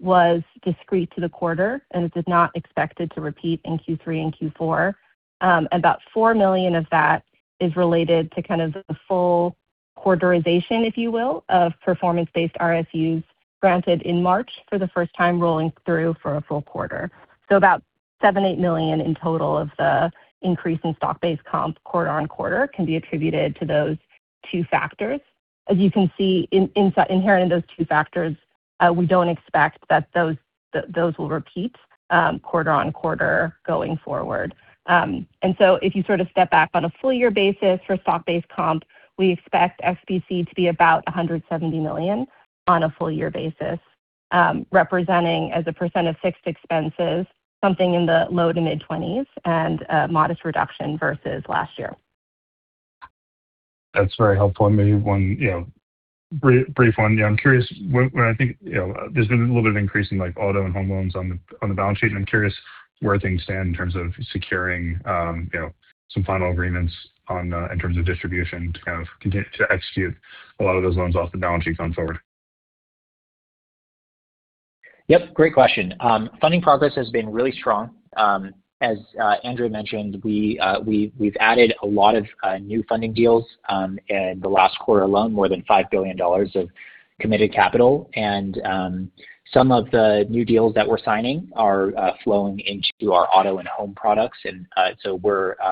was discrete to the quarter and is not expected to repeat in Q3 and Q4. About $4 million of that is related to kind of the full quarterization, if you will, of performance-based RSUs granted in March for the first time rolling through for a full quarter. About $7 million-$8 million in total of the increase in stock-based comp quarter-over-quarter can be attributed to those two factors. As you can see, inherent in those two factors, we don't expect that those will repeat quarter-over-quarter going forward. If you sort of step back on a full year basis for stock-based comp, we expect SBC to be about $170 million on a full year basis. Representing as a percent of fixed expenses, something in the low-to-mid 20s and a modest reduction versus last year. That's very helpful. Maybe one brief one. I'm curious, there's been a little bit of increase in auto and Home loans on the balance sheet, and I'm curious where things stand in terms of securing some final agreements in terms of distribution to kind of continue to execute a lot of those loans off the balance sheet going forward. Yep, great question. Funding progress has been really strong. As Andrea mentioned, we've added a lot of new funding deals in the last quarter alone, more than $5 billion of committed capital. Some of the new deals that we're signing are flowing into our auto and Home products. We're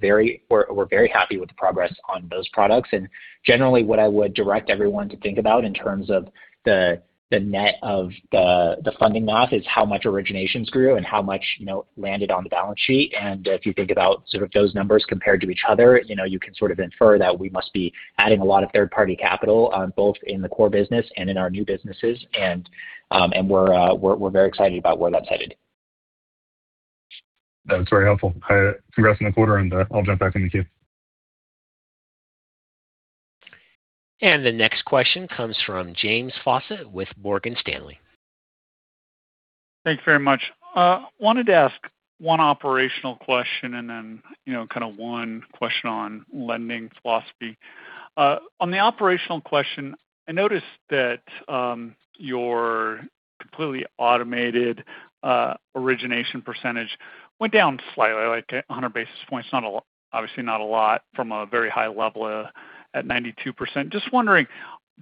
very happy with the progress on those products. Generally, what I would direct everyone to think about in terms of the net of the funding math is how much originations grew and how much landed on the balance sheet. If you think about sort of those numbers compared to each other, you can sort of infer that we must be adding a lot of third-party capital on both in the core business and in our new businesses. We're very excited about where that's headed. That's very helpful. Congrats on the quarter, and I'll jump back in the queue. The next question comes from James Faucette with Morgan Stanley. Thanks very much. Wanted to ask one operational question and then one question on lending philosophy. On the operational question, I noticed that your completely automated origination % went down slightly, like 100 basis points. Obviously not a lot from a very high level at 92%. Just wondering,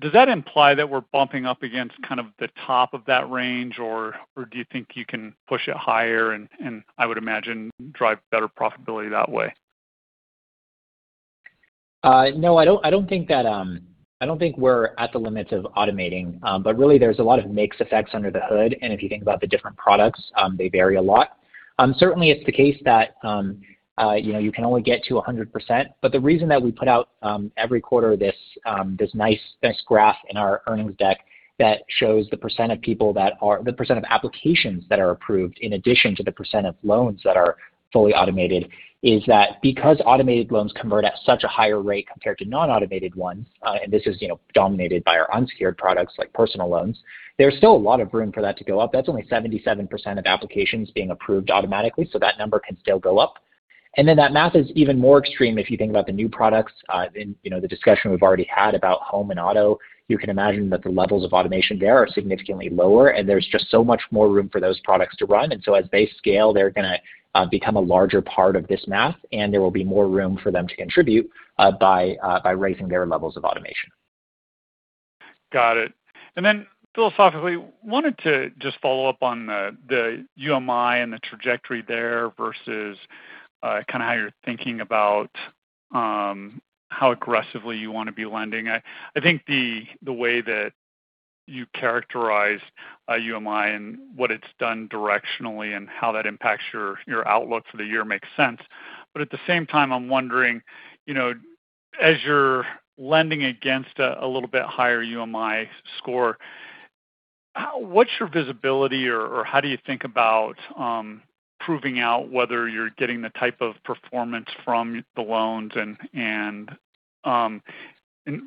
does that imply that we're bumping up against kind of the top of that range, or do you think you can push it higher and, I would imagine, drive better profitability that way? No, I don't think we're at the limits of automating. Really there's a lot of mix effects under the hood. If you think about the different products, they vary a lot. Certainly it's the case that you can only get to 100%, but the reason that we put out every quarter this nice graph in our earnings deck that shows the percent of applications that are approved in addition to the percent of loans that are fully automated is that because automated loans convert at such a higher rate compared to non-automated ones, and this is dominated by our unsecured products like personal loans, there's still a lot of room for that to go up. That's only 77% of applications being approved automatically, so that number can still go up. That math is even more extreme if you think about the new products. The discussion we've already had about Home and auto, you can imagine that the levels of automation there are significantly lower, and there's just so much more room for those products to run. As they scale, they're going to become a larger part of this math, and there will be more room for them to contribute by raising their levels of automation. Got it. Philosophically, wanted to just follow up on the UMI and the trajectory there versus how you're thinking about how aggressively you want to be lending. I think the way that you characterized UMI and what it's done directionally and how that impacts your outlook for the year makes sense. At the same time, I'm wondering, as you're lending against a little bit higher UMI score, what's your visibility, or how do you think about proving out whether you're getting the type of performance from the loans and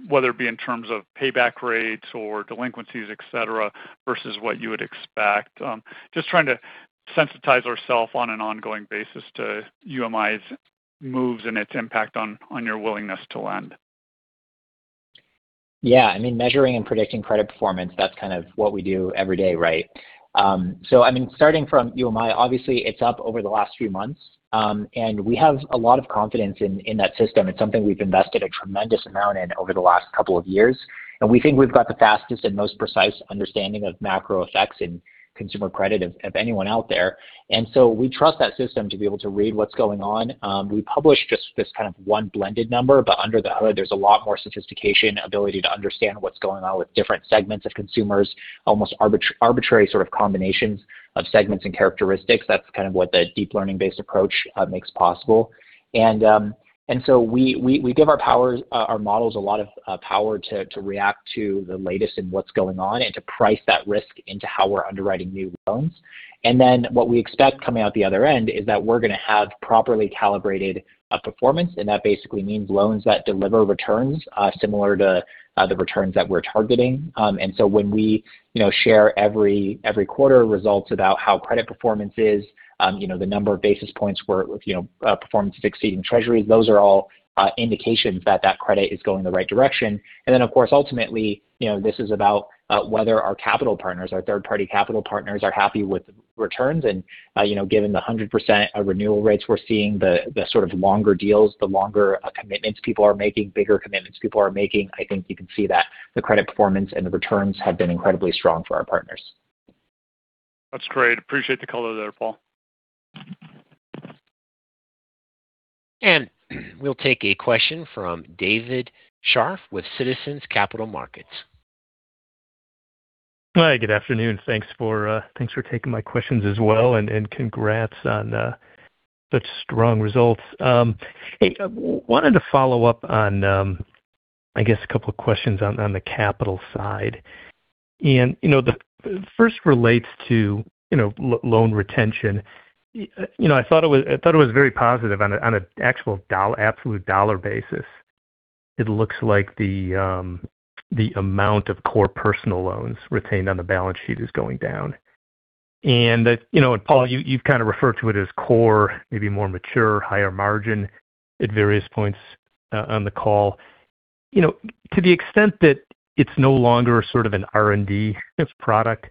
whether it be in terms of payback rates or delinquencies, et cetera, versus what you would expect? Just trying to sensitize ourself on an ongoing basis to UMI's moves and its impact on your willingness to lend. Yeah. Measuring and predicting credit performance, that's kind of what we do every day, right? Starting from UMI, obviously it's up over the last few months. We have a lot of confidence in that system. It's something we've invested a tremendous amount in over the last couple of years, and we think we've got the fastest and most precise understanding of macro effects in consumer credit of anyone out there. We trust that system to be able to read what's going on. We publish just this kind of one blended number, but under the hood, there's a lot more sophistication, ability to understand what's going on with different segments of consumers, almost arbitrary sort of combinations of segments and characteristics. That's kind of what the deep learning-based approach makes possible. We give our models a lot of power to react to the latest in what's going on and to price that risk into how we're underwriting new loans. What we expect coming out the other end is that we're going to have properly calibrated performance, and that basically means loans that deliver returns similar to the returns that we're targeting. When we share every quarter results about how credit performance is, the number of basis points where performance is exceeding Treasury, those are all indications that that credit is going in the right direction. Of course, ultimately, this is about whether our capital partners, our third-party capital partners, are happy with returns. Given the 100% renewal rates we're seeing, the sort of longer deals, the longer commitments people are making, bigger commitments people are making, I think you can see that the credit performance and the returns have been incredibly strong for our partners. That's great. Appreciate the color there, Paul. We'll take a question from David Scharf with Citizens Capital Markets. Hi, good afternoon. Thanks for taking my questions as well, and congrats on such strong results. Wanted to follow up on I guess a couple of questions on the capital side. The first relates to loan retention. I thought it was very positive on an actual absolute dollar basis. It looks like the amount of core personal loans retained on the balance sheet is going down. Paul, you've kind of referred to it as core, maybe more mature, higher margin at various points on the call. To the extent that it's no longer a sort of an R&D product,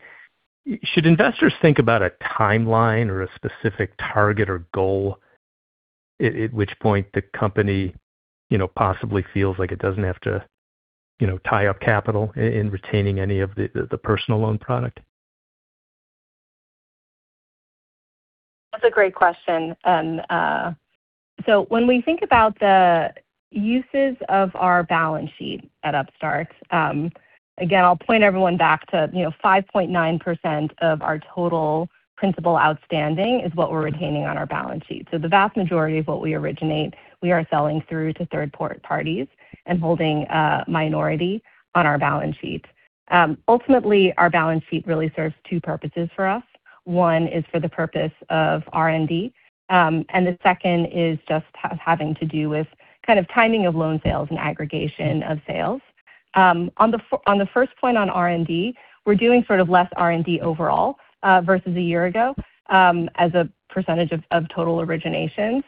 should investors think about a timeline or a specific target or goal at which point the company possibly feels like it doesn't have to tie up capital in retaining any of the personal loan product? That's a great question. When we think about the uses of our balance sheet at Upstart, again, I'll point everyone back to 5.9% of our total principal outstanding is what we're retaining on our balance sheet. The vast majority of what we originate, we are selling through to third parties and holding a minority on our balance sheet. Ultimately, our balance sheet really serves two purposes for us. One is for the purpose of R&D, and the second is just having to do with kind of timing of loan sales and aggregation of sales. On the first point on R&D, we're doing sort of less R&D overall versus a year ago as a percentage of total originations.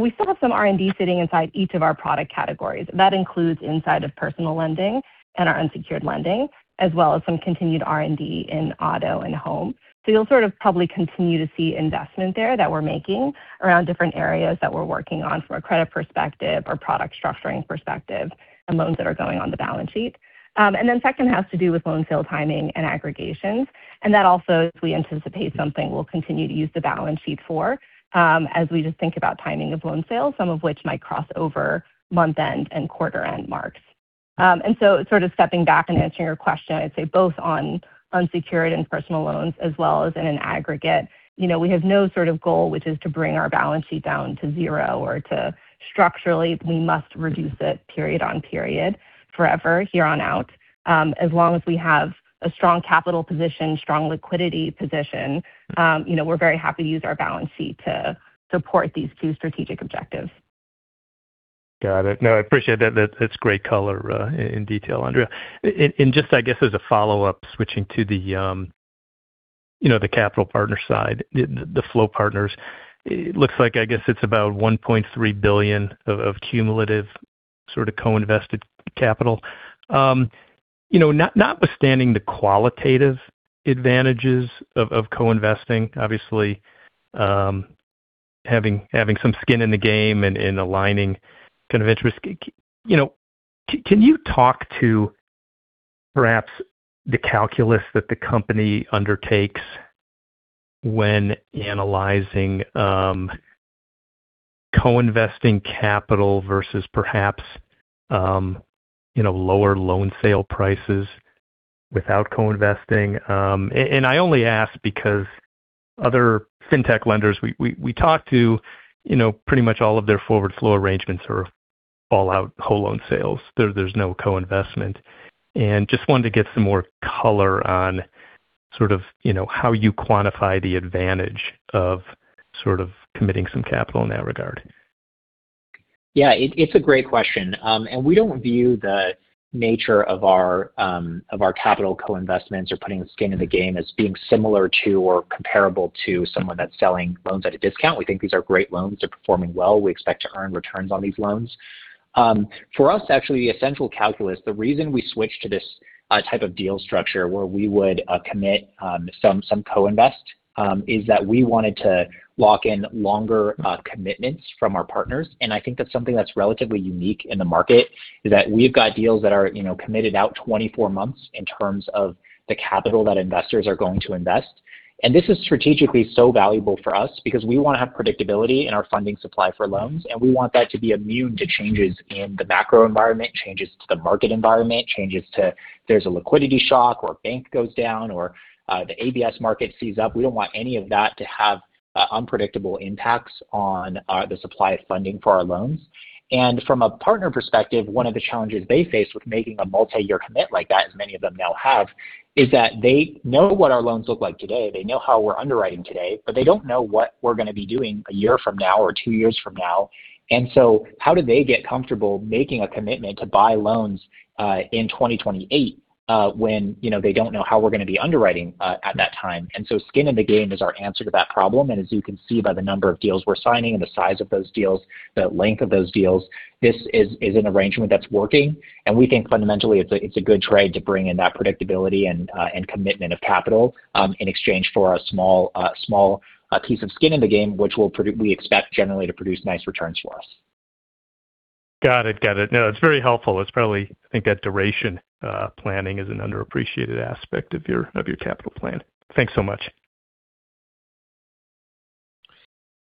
We still have some R&D sitting inside each of our product categories. That includes inside of personal lending and our unsecured lending, as well as some continued R&D in auto and Home. You'll sort of probably continue to see investment there that we're making around different areas that we're working on from a credit perspective or product structuring perspective and loans that are going on the balance sheet. Then second has to do with loan sale timing and aggregations. That also, as we anticipate something we'll continue to use the balance sheet for as we just think about timing of loan sales, some of which might cross over month-end and quarter-end marks. Sort of stepping back and answering your question, I'd say both on unsecured and personal loans, as well as in an aggregate. We have no sort of goal, which is to bring our balance sheet down to zero or to structurally, we must reduce it period on period forever here on out. As long as we have a strong capital position, strong liquidity position, we're very happy to use our balance sheet to support these two strategic objectives. Got it. No, I appreciate that. That's great color in detail, Andrea. Just, I guess as a follow-up, switching to the capital partner side, the flow partners. It looks like, I guess it's about $1.3 billion of cumulative sort of co-invested capital. Notwithstanding the qualitative advantages of co-investing, obviously having some skin in the game and aligning kind of interest, can you talk to perhaps the calculus that the company undertakes when analyzing co-investing capital versus perhaps lower loan sale prices without co-investing? I only ask because other fintech lenders we talk to, pretty much all of their forward flow arrangements are fallout whole loan sales. There's no co-investment. Just wanted to get some more color on sort of how you quantify the advantage of sort of committing some capital in that regard. Yeah. It's a great question. We don't view the nature of our capital co-investments or putting skin in the game as being similar to or comparable to someone that's selling loans at a discount. We think these are great loans. They're performing well. We expect to earn returns on these loans. For us, actually, the essential calculus, the reason we switched to this type of deal structure where we would commit some co-invest, is that we wanted to lock in longer commitments from our partners. I think that's something that's relatively unique in the market, is that we've got deals that are committed out 24 months in terms of the capital that investors are going to invest. This is strategically so valuable for us because we want to have predictability in our funding supply for loans, and we want that to be immune to changes in the macro environment, changes to the market environment, changes to there's a liquidity shock or a bank goes down or the ABS market seizes up. We don't want any of that to have unpredictable impacts on the supply of funding for our loans. From a partner perspective, one of the challenges they face with making a multi-year commit like that, as many of them now have, is that they know what our loans look like today. They know how we're underwriting today, but they don't know what we're going to be doing a year from now or two years from now. How do they get comfortable making a commitment to buy loans in 2028 when they don't know how we're going to be underwriting at that time. Skin in the game is our answer to that problem. As you can see by the number of deals we're signing and the size of those deals, the length of those deals, this is an arrangement that's working. We think fundamentally it's a good trade to bring in that predictability and commitment of capital in exchange for a small piece of skin in the game, which we expect generally to produce nice returns for us. Got it. No, it's very helpful. I think that duration planning is an underappreciated aspect of your capital plan. Thanks so much.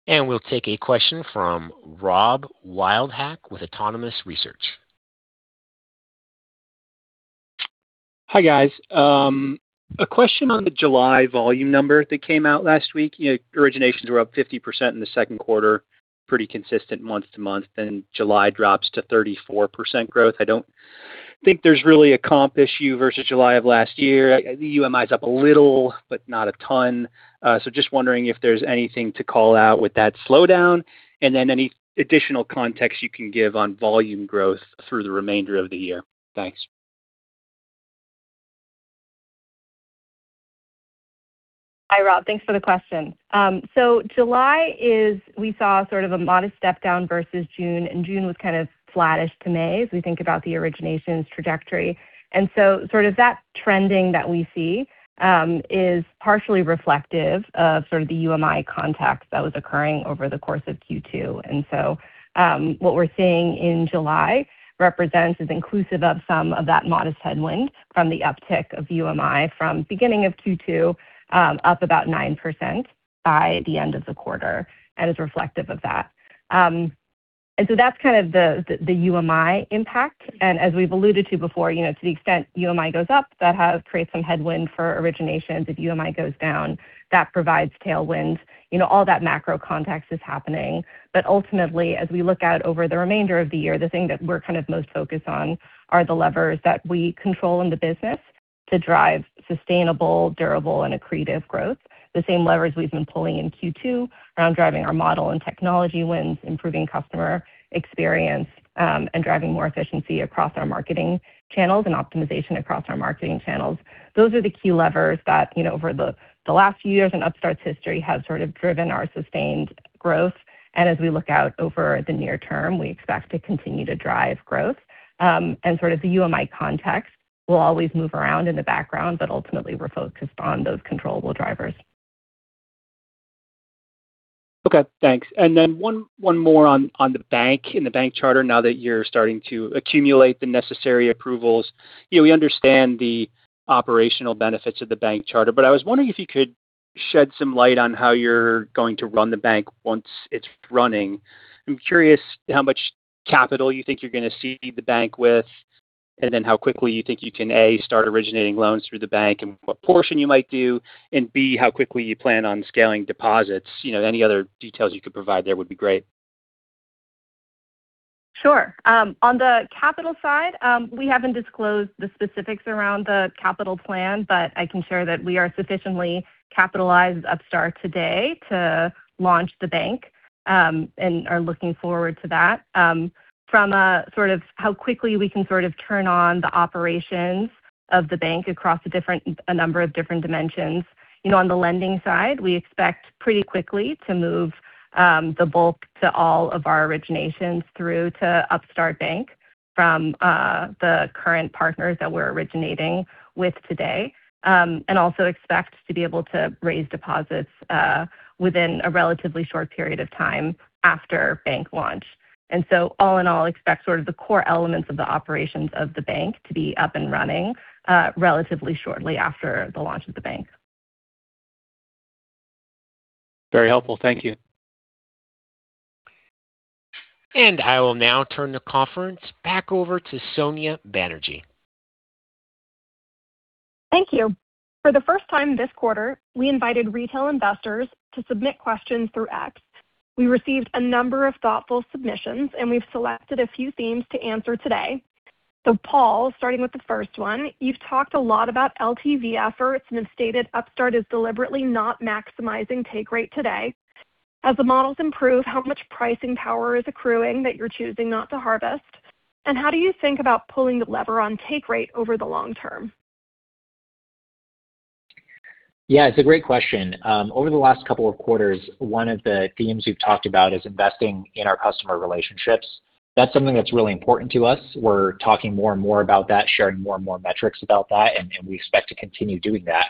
We'll take a question from Rob Wildhack with Autonomous Research. Hi, guys. A question on the July volume number that came out last week. Originations were up 50% in the second quarter, pretty consistent month-to-month, then July drops to 34% growth. I don't think there's really a comp issue versus July of last year. The UMI's up a little, but not a ton. Just wondering if there's anything to call out with that slowdown, then any additional context you can give on volume growth through the remainder of the year. Thanks. Hi, Rob. Thanks for the question. July, we saw sort of a modest step down versus June was kind of flattish to May, as we think about the originations trajectory. That trending that we see is partially reflective of the UMI context that was occurring over the course of Q2. What we're seeing in July represents, is inclusive of some of that modest headwind from the uptick of UMI from beginning of Q2 up about 9% by the end of the quarter and is reflective of that. That's kind of the UMI impact. As we've alluded to before, to the extent UMI goes up, that creates some headwind for originations. If UMI goes down, that provides tailwinds. All that macro context is happening. Ultimately, as we look out over the remainder of the year, the thing that we're kind of most focused on are the levers that we control in the business to drive sustainable, durable, and accretive growth. The same levers we've been pulling in Q2 around driving our model and technology wins, improving customer experience, and driving more efficiency across our marketing channels and optimization across our marketing channels. Those are the key levers that over the last few years in Upstart's history have sort of driven our sustained growth. As we look out over the near term, we expect to continue to drive growth. Sort of the UMI context will always move around in the background, but ultimately we're focused on those controllable drivers. Okay, thanks. One more on the bank, in the bank charter, now that you're starting to accumulate the necessary approvals. We understand the operational benefits of the bank charter, but I was wondering if you could shed some light on how you're going to run the bank once it's running. I'm curious how much capital you think you're going to seed the bank with, then how quickly you think you can, A, start originating loans through the bank and what portion you might do, and B, how quickly you plan on scaling deposits. Any other details you could provide there would be great. Sure. On the capital side, we haven't disclosed the specifics around the capital plan, but I can share that we are sufficiently capitalized at Upstart today to launch the bank, and are looking forward to that. From a how quickly we can turn on the operations of the bank across a number of different dimensions. On the lending side, we expect pretty quickly to move the bulk to all of our originations through to Upstart Bank from the current partners that we're originating with today. Also expect to be able to raise deposits within a relatively short period of time after bank launch. All in all, expect the core elements of the operations of the bank to be up and running relatively shortly after the launch of the bank. Very helpful. Thank you. I will now turn the conference back over to Sonya Banerjee. Thank you. For the first time this quarter, we invited retail investors to submit questions through X. We received a number of thoughtful submissions, and we've selected a few themes to answer today. Paul, starting with the first one. You've talked a lot about LTV efforts and have stated Upstart is deliberately not maximizing take rate today. As the models improve, how much pricing power is accruing that you're choosing not to harvest? How do you think about pulling the lever on take rate over the long term? Yeah, it's a great question. Over the last couple of quarters, one of the themes we've talked about is investing in our customer relationships. That's something that's really important to us. We're talking more and more about that, sharing more and more metrics about that, and we expect to continue doing that.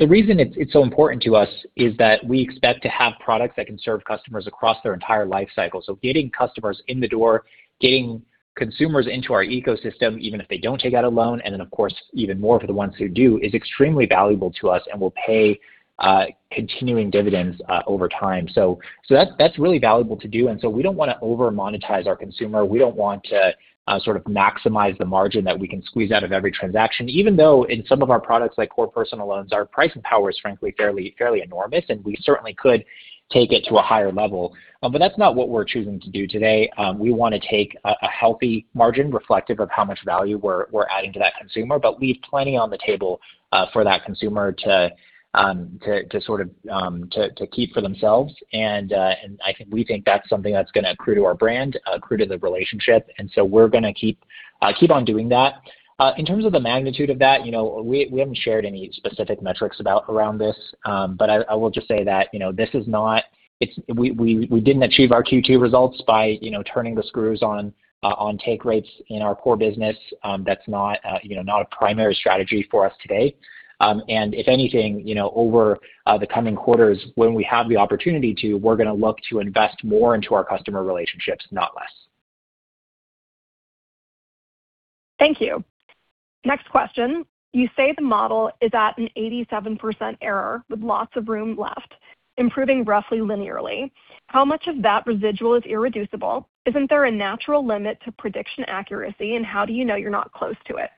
The reason it's so important to us is that we expect to have products that can serve customers across their entire life cycle. Getting customers in the door, getting consumers into our ecosystem, even if they don't take out a loan, and then of course, even more for the ones who do, is extremely valuable to us and will pay continuing dividends over time. That's really valuable to do. We don't want to over monetize our consumer. We don't want to maximize the margin that we can squeeze out of every transaction, even though in some of our products, like core personal loans, our pricing power is frankly fairly enormous, and we certainly could take it to a higher level. That's not what we're choosing to do today. We want to take a healthy margin reflective of how much value we're adding to that consumer, but leave plenty on the table for that consumer to keep for themselves. We think that's something that's going to accrue to our brand, accrue to the relationship. We're going to keep on doing that. In terms of the magnitude of that, we haven't shared any specific metrics around this. I will just say that we didn't achieve our Q2 results by turning the screws on take rates in our core business. That's not a primary strategy for us today. If anything, over the coming quarters, when we have the opportunity to, we're going to look to invest more into our customer relationships, not less. Thank you. Next question. You say the model is at an 87% error with lots of room left improving roughly linearly. How much of that residual is irreducible? Isn't there a natural limit to prediction accuracy, and how do you know you're not close to it?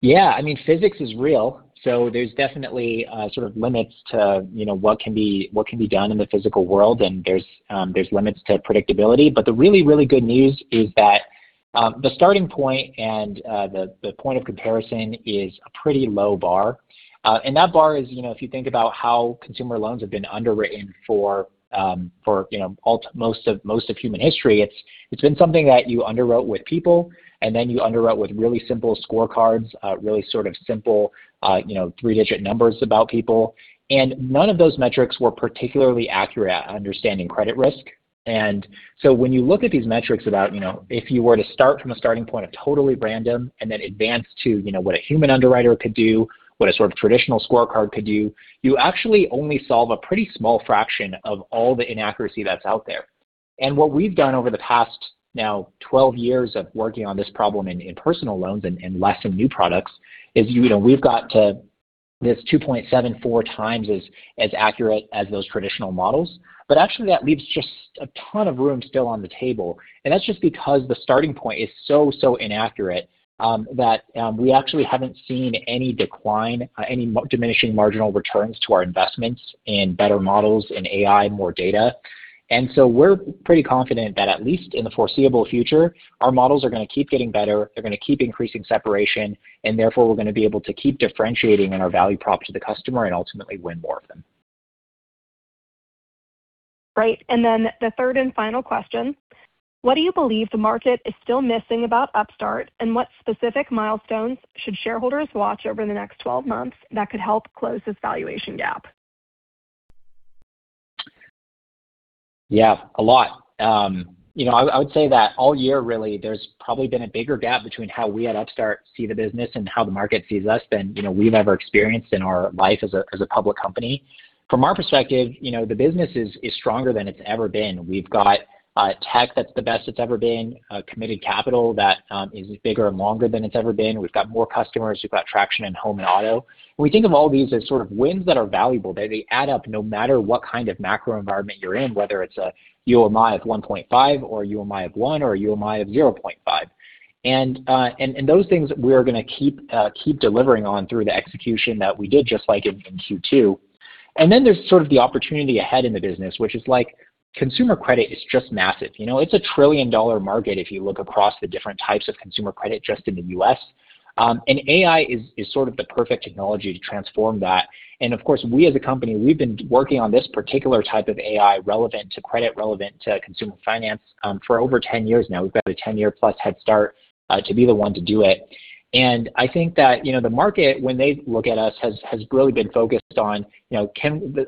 Yeah. Physics is real, there's definitely limits to what can be done in the physical world, and there's limits to predictability. The really, really good news is that the starting point and the point of comparison is a pretty low bar. That bar is, if you think about how consumer loans have been underwritten for most of human history, it's been something that you underwrote with people, and then you underwrote with really simple scorecards, really simple three-digit numbers about people. None of those metrics were particularly accurate at understanding credit risk. When you look at these metrics about if you were to start from a starting point of totally random and then advance to what a human underwriter could do, what a traditional scorecard could do, you actually only solve a pretty small fraction of all the inaccuracy that's out there. What we've done over the past now 12 years of working on this problem in personal loans and less in new products is we've got to this 2.74 times as accurate as those traditional models. Actually, that leaves just a ton of room still on the table. That's just because the starting point is so inaccurate that we actually haven't seen any diminishing marginal returns to our investments in better models, in AI, more data. We're pretty confident that at least in the foreseeable future, our models are going to keep getting better, they're going to keep increasing separation, and therefore we're going to be able to keep differentiating on our value prop to the customer and ultimately win more of them. Right. The third and final question, what do you believe the market is still missing about Upstart, and what specific milestones should shareholders watch over the next 12 months that could help close this valuation gap? Yeah, a lot. I would say that all year really, there's probably been a bigger gap between how we at Upstart see the business and how the market sees us than we've ever experienced in our life as a public company. From our perspective, the business is stronger than it's ever been. We've got tech that's the best it's ever been, committed capital that is bigger and longer than it's ever been. We've got more customers. We've got traction in Home and auto. We think of all these as wins that are valuable, that they add up no matter what kind of macro environment you're in, whether it's a UMI of 1.50 or a UMI of 1.0 Or a UMI of 0.50. Those things we are going to keep delivering on through the execution that we did just like in Q2. Then there's the opportunity ahead in the business, which is like consumer credit is just massive. It's a trillion-dollar market if you look across the different types of consumer credit just in the U.S. AI is the perfect technology to transform that. Of course, we as a company, we've been working on this particular type of AI relevant to credit, relevant to consumer finance for over 10 years now. We've got a 10-year+ head start to be the one to do it. I think that the market, when they look at us, has really been focused on a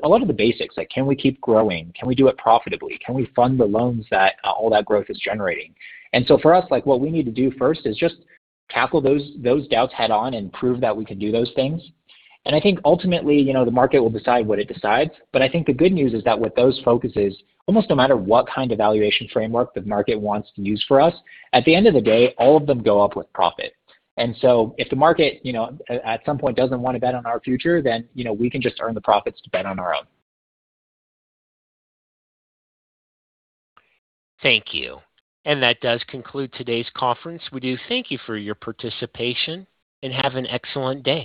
lot of the basics, like can we keep growing? Can we do it profitably? Can we fund the loans that all that growth is generating? For us, what we need to do first is just tackle those doubts head-on and prove that we can do those things. I think ultimately, the market will decide what it decides, but I think the good news is that with those focuses, almost no matter what kind of valuation framework the market wants to use for us, at the end of the day, all of them go up with profit. If the market at some point doesn't want to bet on our future, then we can just earn the profits to bet on our own. Thank you. That does conclude today's conference. We do thank you for your participation, and have an excellent day.